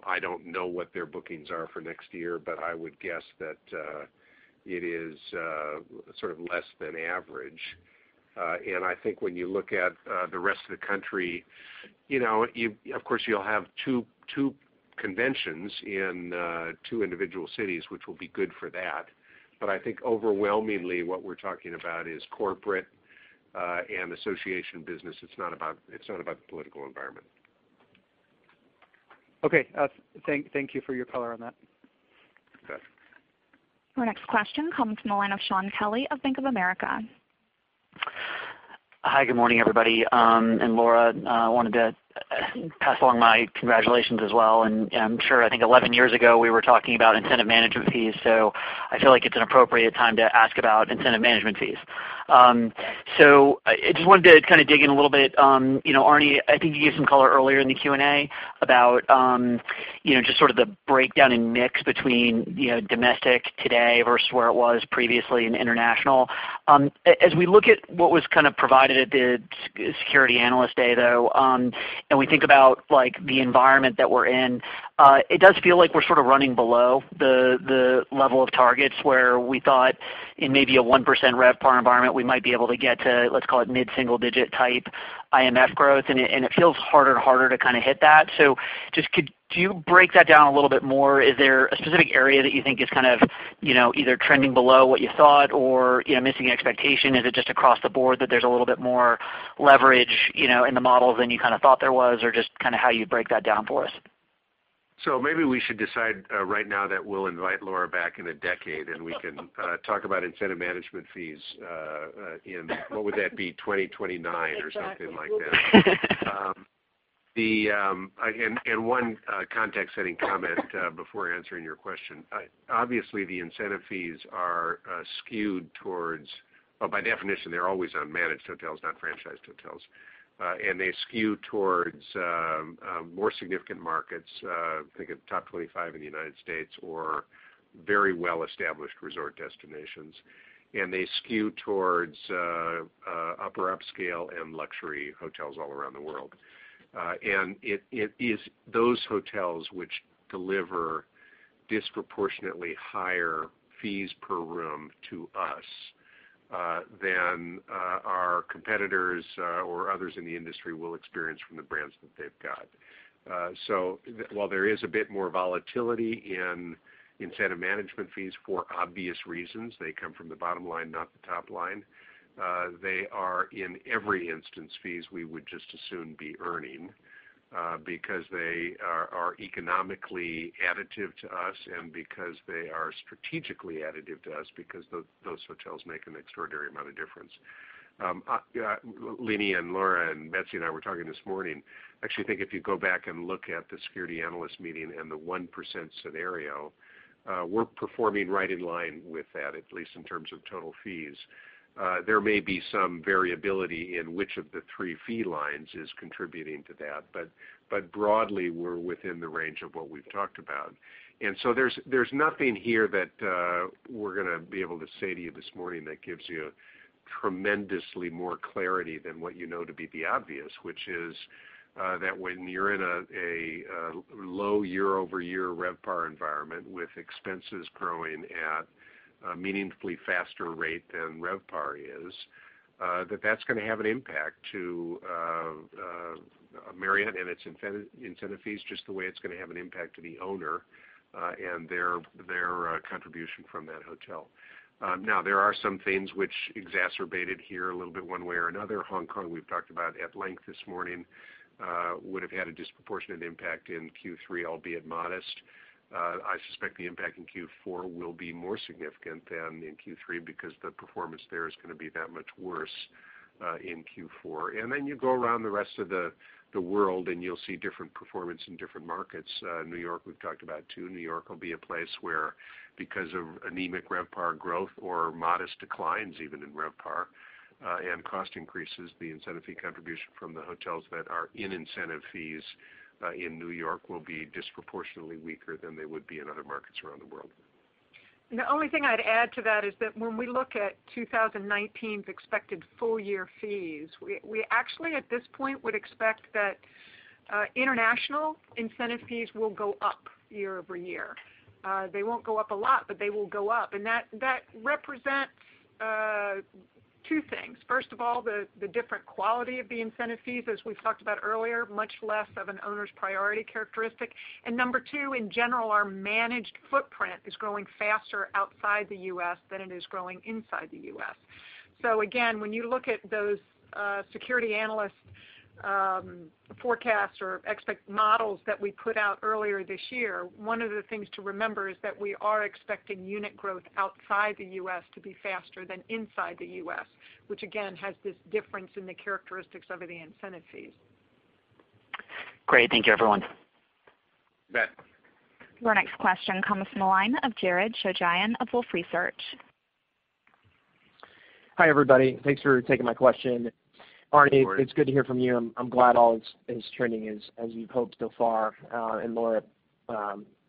I don't know what their bookings are for next year, but I would guess that it is less than average. When you look at the rest of the country, of course you'll have two conventions in two individual cities, which will be good for that. Overwhelmingly what we're talking about is corporate and association business. It's not about the political environment. Okay. Thank you for your color on that. Okay. Our next question comes from the line of Shaun Kelley of Bank of America. Hi, good morning, everybody. Laura, I wanted to pass along my congratulations as well. I'm sure, I think 11 years ago, we were talking about incentive management fees, so I feel like it's an appropriate time to ask about incentive management fees. I just wanted to dig in a little bit. Arne, I think you gave some color earlier in the Q&A about just the breakdown in mix between domestic today versus where it was previously in international. As we look at what was provided at the security analyst day, though, and we think about the environment that we're in, it does feel like we're running below the level of targets where we thought in maybe a 1% RevPAR environment, we might be able to get to, let's call it mid-single digit type IMF growth, and it feels harder and harder to hit that. Could you break that down a little bit more? Is there a specific area that you think is either trending below what you thought or missing expectation? Is it just across the board that there's a little bit more leverage in the models than you thought there was, or just how you break that down for us? Maybe we should decide right now that we'll invite Laura back in a decade, and we can talk about incentive management fees in, what would that be? 2029 or something like that. One context-setting comment before answering your question. Obviously, the incentive fees are skewed towards, by definition, they're always on managed hotels, not franchised hotels. They skew towards more significant markets, think of top 25 in the United States or very well-established resort destinations. They skew towards upper upscale and luxury hotels all around the world. It is those hotels which deliver disproportionately higher fees per room to us than our competitors or others in the industry will experience from the brands that they've got. While there is a bit more volatility in incentive management fees, for obvious reasons, they come from the bottom line, not the top line, they are, in every instance, fees we would just as soon be earning because they are economically additive to us and because they are strategically additive to us because those hotels make an extraordinary amount of difference. Leeny and Laura and Betsy and I were talking this morning. I actually think if you go back and look at the security analyst meeting and the 1% scenario, we're performing right in line with that, at least in terms of total fees. There may be some variability in which of the three fee lines is contributing to that, but broadly, we're within the range of what we've talked about. There's nothing here that we're going to be able to say to you this morning that gives you tremendously more clarity than what you know to be the obvious, which is that when you're in a low year-over-year RevPAR environment with expenses growing at a meaningfully faster rate than RevPAR is, that that's going to have an impact to Marriott and its incentive fees, just the way it's going to have an impact to the owner and their contribution from that hotel. There are some things which exacerbated here a little bit one way or another. Hong Kong we've talked about at length this morning, would have had a disproportionate impact in Q3, albeit modest. I suspect the impact in Q4 will be more significant than in Q3 because the performance there is going to be that much worse in Q4. You go around the rest of the world and you'll see different performance in different markets. New York we've talked about, too. New York will be a place where, because of anemic RevPAR growth or modest declines even in RevPAR and cost increases, the incentive fee contribution from the hotels that are in incentive fees in New York will be disproportionately weaker than they would be in other markets around the world. The only thing I'd add to that is that when we look at 2019's expected full-year fees, we actually at this point would expect that international incentive fees will go up year-over-year. They won't go up a lot, but they will go up. That represents two things. First of all, the different quality of the incentive fees, as we've talked about earlier, much less of an owner's priority characteristic. Number two, in general, our managed footprint is growing faster outside the U.S. than it is growing inside the U.S. Again, when you look at those security analyst forecasts or models that we put out earlier this year, one of the things to remember is that we are expecting unit growth outside the U.S. to be faster than inside the U.S., which again, has this difference in the characteristics of the incentive fees. Great. Thank you, everyone. You bet. Our next question comes from the line of Jared Shojaian of Wolfe Research. Hi, everybody. Thanks for taking my question. Sure. Arne, it's good to hear from you. I'm glad all is trending as you've hoped so far. Laura,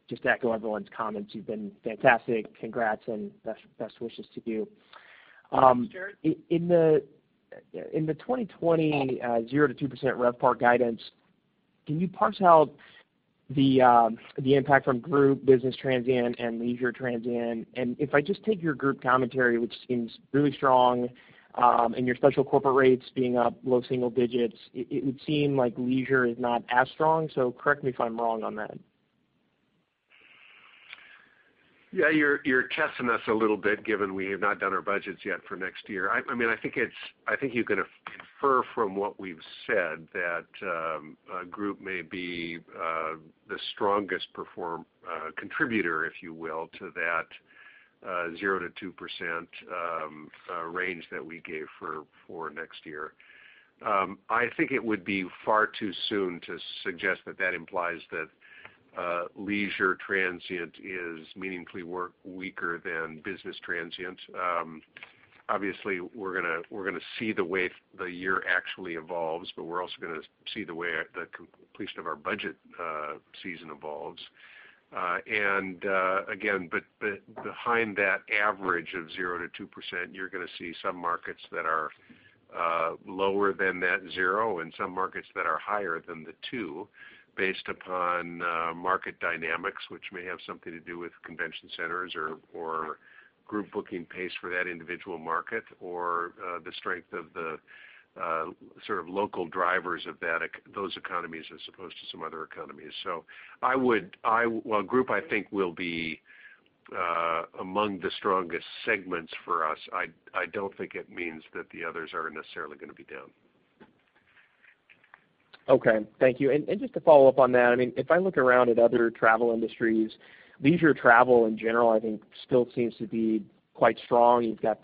just to echo everyone's comments, you've been fantastic. Congrats, and best wishes to you. Jared. In the 2020 0%-2% RevPAR guidance, can you parse out the impact from group business transient and leisure transient? If I just take your group commentary, which seems really strong, and your special corporate rates being up low single digits, it would seem like leisure is not as strong, so correct me if I'm wrong on that. You're testing us a little bit, given we have not done our budgets yet for next year. I think you can infer from what we've said that group may be the strongest contributor to that 0%-2% range that we gave for next year. I think it would be far too soon to suggest that implies that leisure transient is meaningfully weaker than business transient. Obviously, we're going to see the way the year actually evolves, we're also going to see the way the completion of our budget season evolves. Again, behind that average of 0% to 2%, you're going to see some markets that are lower than that 0 and some markets that are higher than the 2 based upon market dynamics, which may have something to do with convention centers or group booking pace for that individual market or the strength of the local drivers of those economies as opposed to some other economies. While group, I think, will be among the strongest segments for us, I don't think it means that the others are necessarily going to be down. Okay. Thank you. Just to follow up on that, if I look around at other travel industries, leisure travel in general, I think still seems to be quite strong. You've got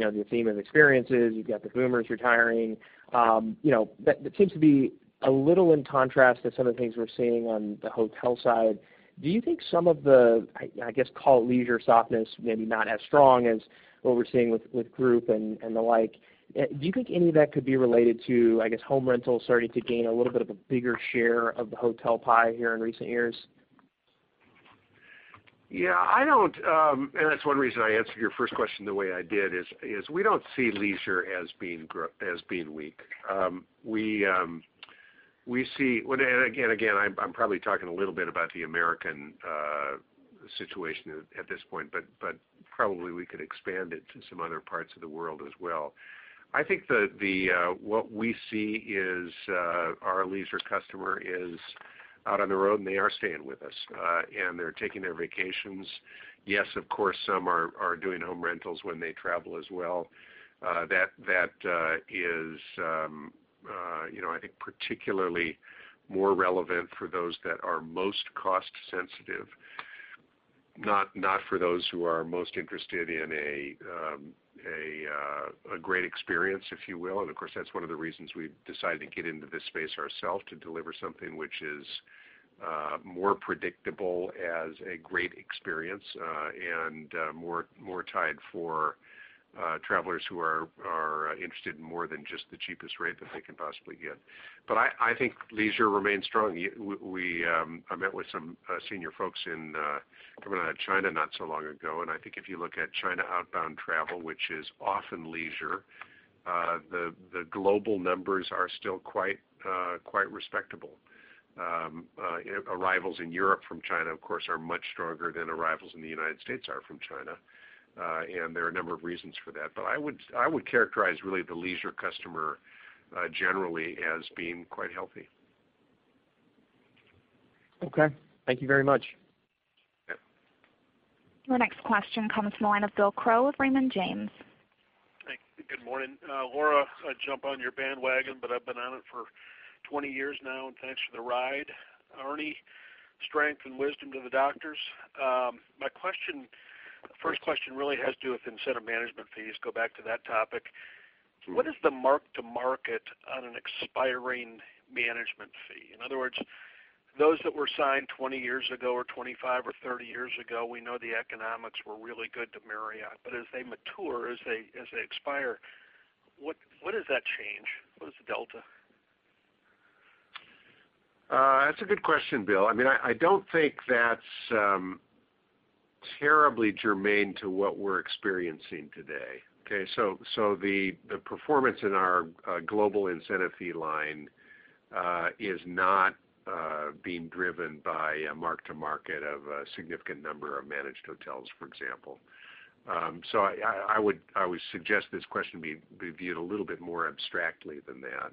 the theme of experiences. You've got the boomers retiring. That seems to be a little in contrast to some of the things we're seeing on the hotel side. Do you think some of the, I guess, call it leisure softness, maybe not as strong as what we're seeing with group and the like, do you think any of that could be related to home rentals starting to gain a little bit of a bigger share of the hotel pie here in recent years? Yeah. That's one reason I answered your first question the way I did is we don't see leisure as being weak. Again, I'm probably talking a little bit about the American situation at this point, but probably we could expand it to some other parts of the world as well. I think that what we see is our leisure customer is out on the road, and they are staying with us. They're taking their vacations. Yes, of course, some are doing home rentals when they travel as well. That is, I think, particularly more relevant for those that are most cost sensitive, not for those who are most interested in a great experience, if you will. Of course, that's one of the reasons we've decided to get into this space ourselves, to deliver something which is more predictable as a great experience, and more tied to travelers who are interested in more than just the cheapest rate that they can possibly get. I think leisure remains strong. I met with some senior folks coming out of China not so long ago, I think if you look at China outbound travel, which is often leisure, the global numbers are still quite respectable. Arrivals in Europe from China, of course, are much stronger than arrivals in the U.S. are from China. There are a number of reasons for that. I would characterize really the leisure customer generally as being quite healthy. Okay. Thank you very much. Yeah. Our next question comes from the line of Bill Crow with Raymond James. Thank you. Good morning. Laura, I jump on your bandwagon, but I've been on it for 20 years now, and thanks for the ride. Arne, strength and wisdom to the doctors. My first question really has to do with incentive management fees. Go back to that topic. Sure. What is the mark to market on an expiring management fee? In other words, those that were signed 20 years ago, or 25 or 30 years ago, we know the economics were really good to Marriott, but as they mature, as they expire, what does that change? What is the delta? That's a good question, Bill. I don't think that's terribly germane to what we're experiencing today, okay? The performance in our global incentive fee line is not being driven by a mark-to-market of a significant number of managed hotels, for example. I would suggest this question be viewed a little bit more abstractly than that.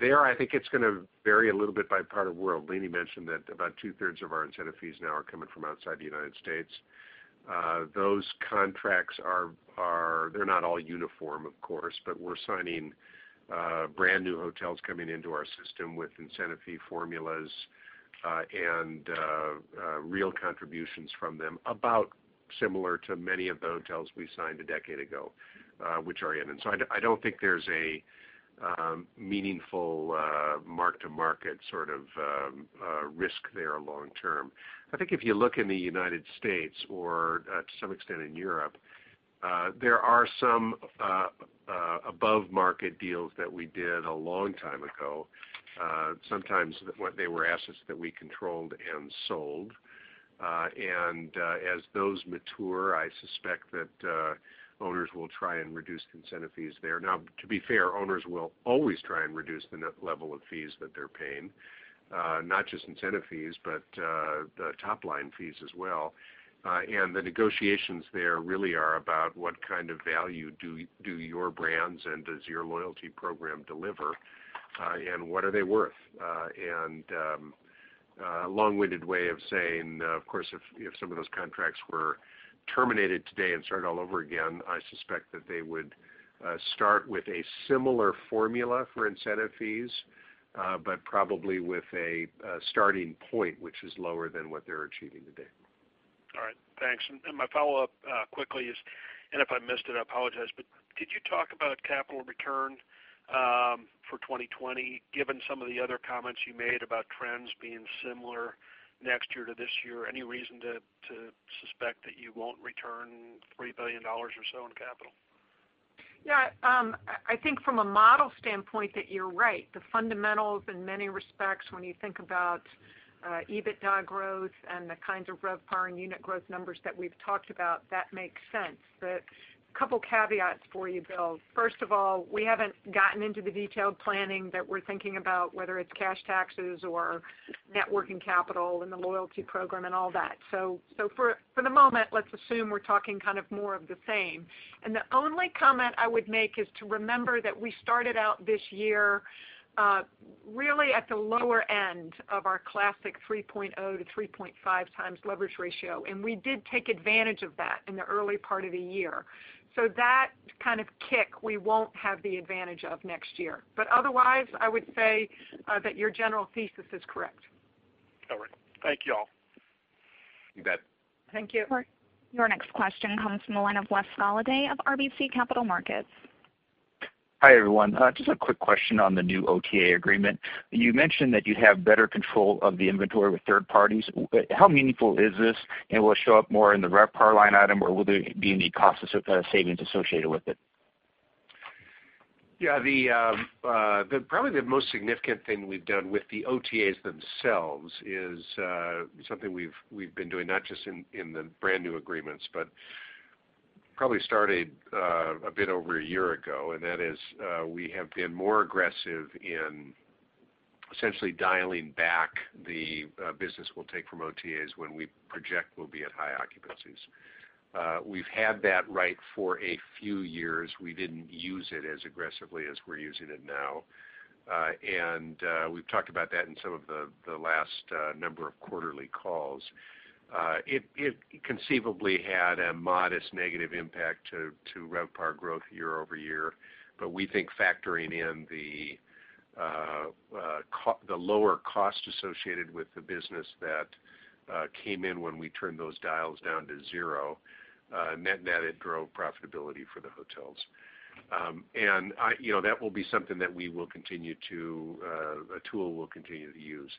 There, I think it's going to vary a little bit by part of world. Leeny mentioned that about two-thirds of our incentive fees now are coming from outside the U.S. Those contracts are not all uniform, of course, but we're signing brand new hotels coming into our system with incentive fee formulas And real contributions from them, about similar to many of the hotels we signed a decade ago, which are in. I don't think there's a meaningful mark-to-market sort of risk there long term. I think if you look in the U.S. or to some extent in Europe, there are some above-market deals that we did a long time ago. Sometimes they were assets that we controlled and sold. As those mature, I suspect that owners will try and reduce incentive fees there. To be fair, owners will always try and reduce the net level of fees that they're paying. Not just incentive fees, but the top-line fees as well. The negotiations there really are about what kind of value do your brands and does your loyalty program deliver, and what are they worth. A long-winded way of saying, of course, if some of those contracts were terminated today and started all over again, I suspect that they would start with a similar formula for incentive fees, but probably with a starting point which is lower than what they're achieving today. All right. Thanks. My follow-up quickly is, and if I missed it, I apologize, but could you talk about capital return for 2020, given some of the other comments you made about trends being similar next year to this year? Any reason to suspect that you won't return $3 billion or so in capital? Yeah. I think from a model standpoint, that you're right. The fundamentals in many respects, when you think about EBITDA growth and the kinds of RevPAR and unit growth numbers that we've talked about, that makes sense. A couple caveats for you, Bill. First of all, we haven't gotten into the detailed planning that we're thinking about, whether it's cash taxes or net working capital in the loyalty program and all that. For the moment, let's assume we're talking more of the same. The only comment I would make is to remember that we started out this year really at the lower end of our classic 3.0 to 3.5x leverage ratio, and we did take advantage of that in the early part of the year. That kind of kick, we won't have the advantage of next year. Otherwise, I would say that your general thesis is correct. All right. Thank you all. You bet. Thank you. Your next question comes from the line of Wes Goliday of RBC Capital Markets. Hi, everyone. Just a quick question on the new OTA agreement. You mentioned that you'd have better control of the inventory with third parties. How meaningful is this, and will it show up more in the RevPAR line item, or will there be any cost savings associated with it? Yeah. Probably the most significant thing we've done with the OTAs themselves is something we've been doing, not just in the brand-new agreements, but probably started a bit over a year ago, and that is we have been more aggressive in essentially dialing back the business we'll take from OTAs when we project we'll be at high occupancies. We've had that right for a few years. We didn't use it as aggressively as we're using it now. We've talked about that in some of the last number of quarterly calls. It conceivably had a modest negative impact to RevPAR growth year-over-year, we think factoring in the lower cost associated with the business that came in when we turned those dials down to zero, net-net, it drove profitability for the hotels. That will be a tool we'll continue to use.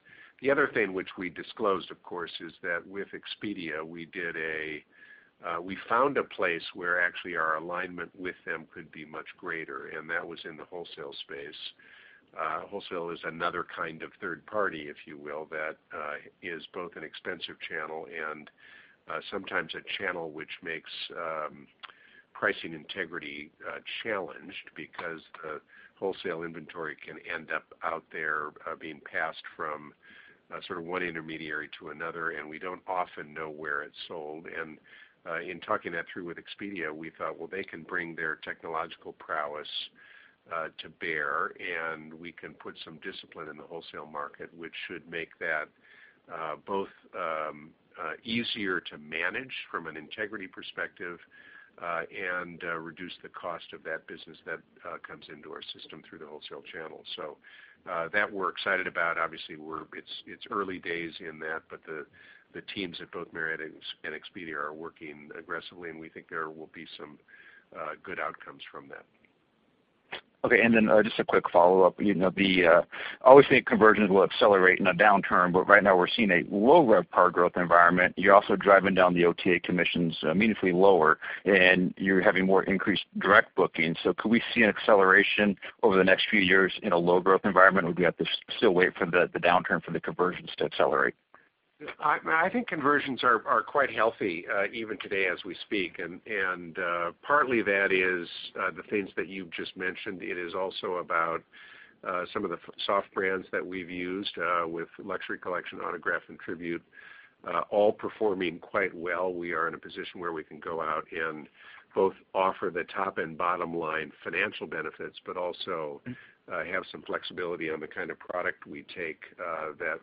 The other thing which we disclosed, of course, is that with Expedia, we found a place where actually our alignment with them could be much greater, and that was in the wholesale space. Wholesale is another kind of third party, if you will, that is both an expensive channel and sometimes a channel which makes pricing integrity challenged because wholesale inventory can end up out there being passed from one intermediary to another, and we don't often know where it's sold. In talking that through with Expedia, we thought, well, they can bring their technological prowess to bear, and we can put some discipline in the wholesale market, which should make that both easier to manage from an integrity perspective and reduce the cost of that business that comes into our system through the wholesale channel. That we're excited about. Obviously, it's early days in that, but the teams at both Marriott and Expedia are working aggressively, and we think there will be some good outcomes from that. Just a quick follow-up. I always think conversions will accelerate in a downturn, but right now we're seeing a low RevPAR growth environment. You're also driving down the OTA commissions meaningfully lower, and you're having more increased direct bookings. Could we see an acceleration over the next few years in a low-growth environment, or do we have to still wait for the downturn for the conversions to accelerate? I think conversions are quite healthy even today as we speak, and partly that is the things that you've just mentioned. It is also about some of the soft brands that we've used with The Luxury Collection, Autograph Collection, and Tribute Portfolio all performing quite well. We are in a position where we can go out and both offer the top and bottom line financial benefits, but also have some flexibility on the kind of product we take that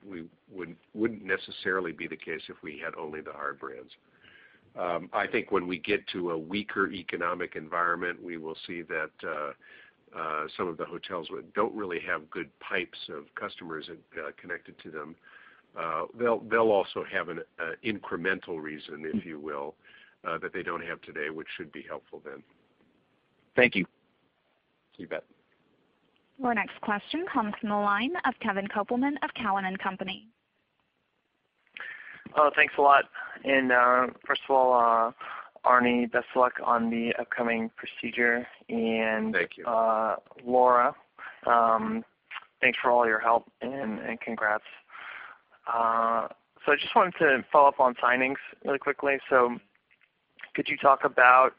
wouldn't necessarily be the case if we had only the hard brands. I think when we get to a weaker economic environment, we will see that some of the hotels that don't really have good pipes of customers connected to them, they'll also have an incremental reason, if you will, that they don't have today, which should be helpful then. Thank you. You bet. Our next question comes from the line of Kevin Kopelman of Cowen and Company. Thanks a lot. First of all, Arne, best luck on the upcoming procedure. Thank you. Laura, thanks for all your help and congrats. I just wanted to follow up on signings really quickly. Could you talk about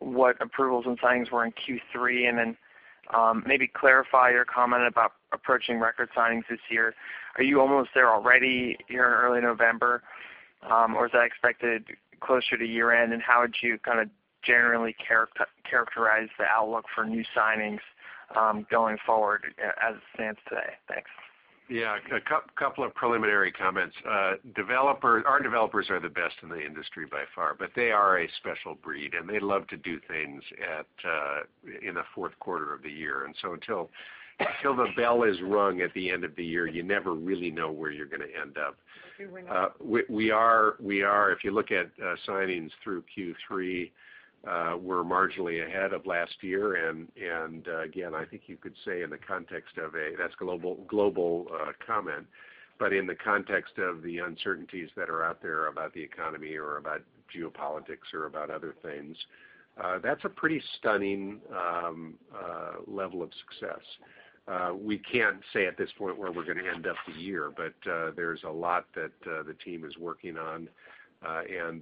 what approvals and signings were in Q3, and then maybe clarify your comment about approaching record signings this year? Are you almost there already here in early November? Or is that expected closer to year-end? How would you generally characterize the outlook for new signings going forward as it stands today? Thanks. Yeah. A couple of preliminary comments. Our developers are the best in the industry by far, but they are a special breed, and they love to do things in the fourth quarter of the year. Until the bell is rung at the end of the year, you never really know where you're going to end up. If you look at signings through Q3, we're marginally ahead of last year. Again, I think you could say in the context of a, that's global comment, but in the context of the uncertainties that are out there about the economy or about geopolitics or about other things, that's a pretty stunning level of success. We can't say at this point where we're going to end up the year, but there's a lot that the team is working on.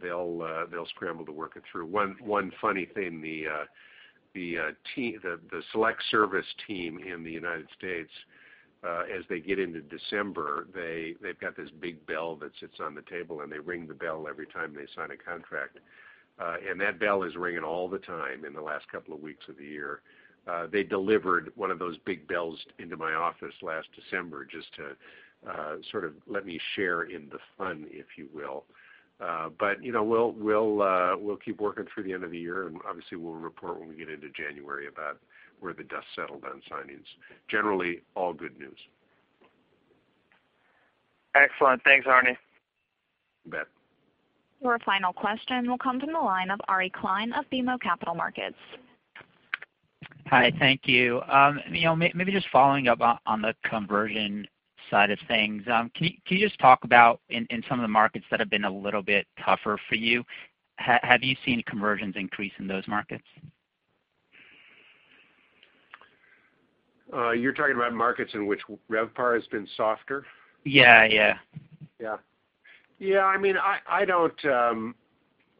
They'll scramble to work it through. One funny thing, the Select Service team in the United States, as they get into December, they've got this big bell that sits on the table, and they ring the bell every time they sign a contract. That bell is ringing all the time in the last couple of weeks of the year. They delivered one of those big bells into my office last December just to let me share in the fun, if you will. We'll keep working through the end of the year, and obviously, we'll report when we get into January about where the dust settled on signings. Generally, all good news. Excellent. Thanks, Arne. You bet. Our final question will come from the line of Aryeh Klein of BMO Capital Markets. Hi, thank you. Maybe just following up on the conversion side of things. Can you just talk about in some of the markets that have been a little bit tougher for you, have you seen conversions increase in those markets? You're talking about markets in which RevPAR has been softer? Yeah. Yeah.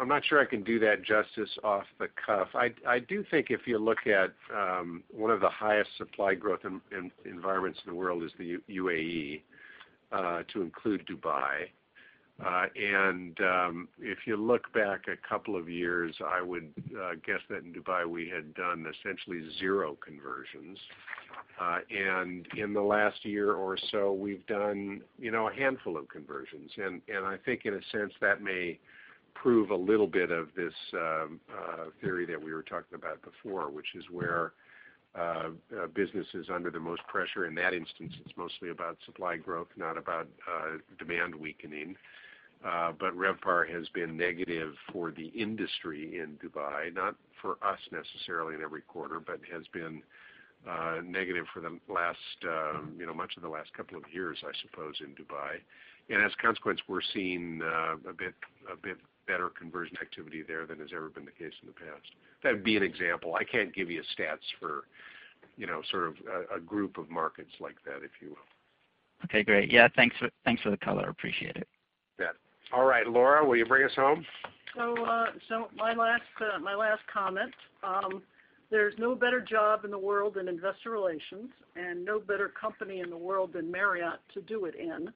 I'm not sure I can do that justice off the cuff. I do think if you look at one of the highest supply growth environments in the world is the UAE, to include Dubai. If you look back a couple of years, I would guess that in Dubai, we had done essentially zero conversions. In the last year or so, we've done a handful of conversions. I think in a sense, that may prove a little bit of this theory that we were talking about before, which is where business is under the most pressure. In that instance, it's mostly about supply growth, not about demand weakening. RevPAR has been negative for the industry in Dubai, not for us necessarily in every quarter, but has been negative for much of the last couple of years, I suppose, in Dubai. As a consequence, we're seeing a bit better conversion activity there than has ever been the case in the past. That would be an example. I can't give you stats for a group of markets like that, if you will. Okay, great. Yeah, thanks for the color. Appreciate it. You bet. All right, Laura, will you bring us home? My last comment. There's no better job in the world than investor relations and no better company in the world than Marriott to do it in.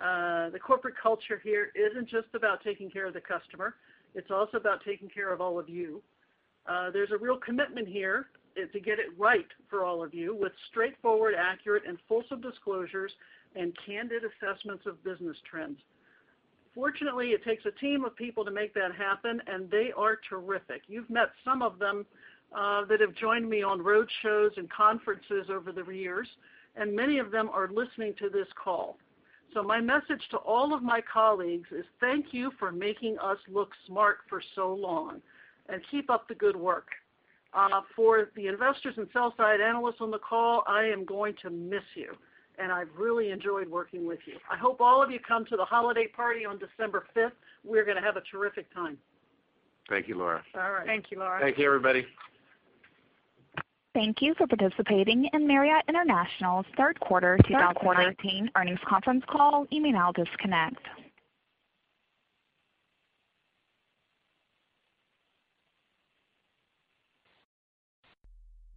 The corporate culture here isn't just about taking care of the customer. It's also about taking care of all of you. There's a real commitment here to get it right for all of you with straightforward, accurate, and fulsome disclosures and candid assessments of business trends. Fortunately, it takes a team of people to make that happen, and they are terrific. You've met some of them that have joined me on roadshows and conferences over the years, and many of them are listening to this call. My message to all of my colleagues is thank you for making us look smart for so long, and keep up the good work. For the investors and sell-side analysts on the call, I am going to miss you, and I've really enjoyed working with you. I hope all of you come to the holiday party on December 5th. We're going to have a terrific time. Thank you, Laura. All right. Thank you, Laura. Thank you, everybody. Thank you for participating in Marriott International's third quarter 2019 earnings conference call. You may now disconnect.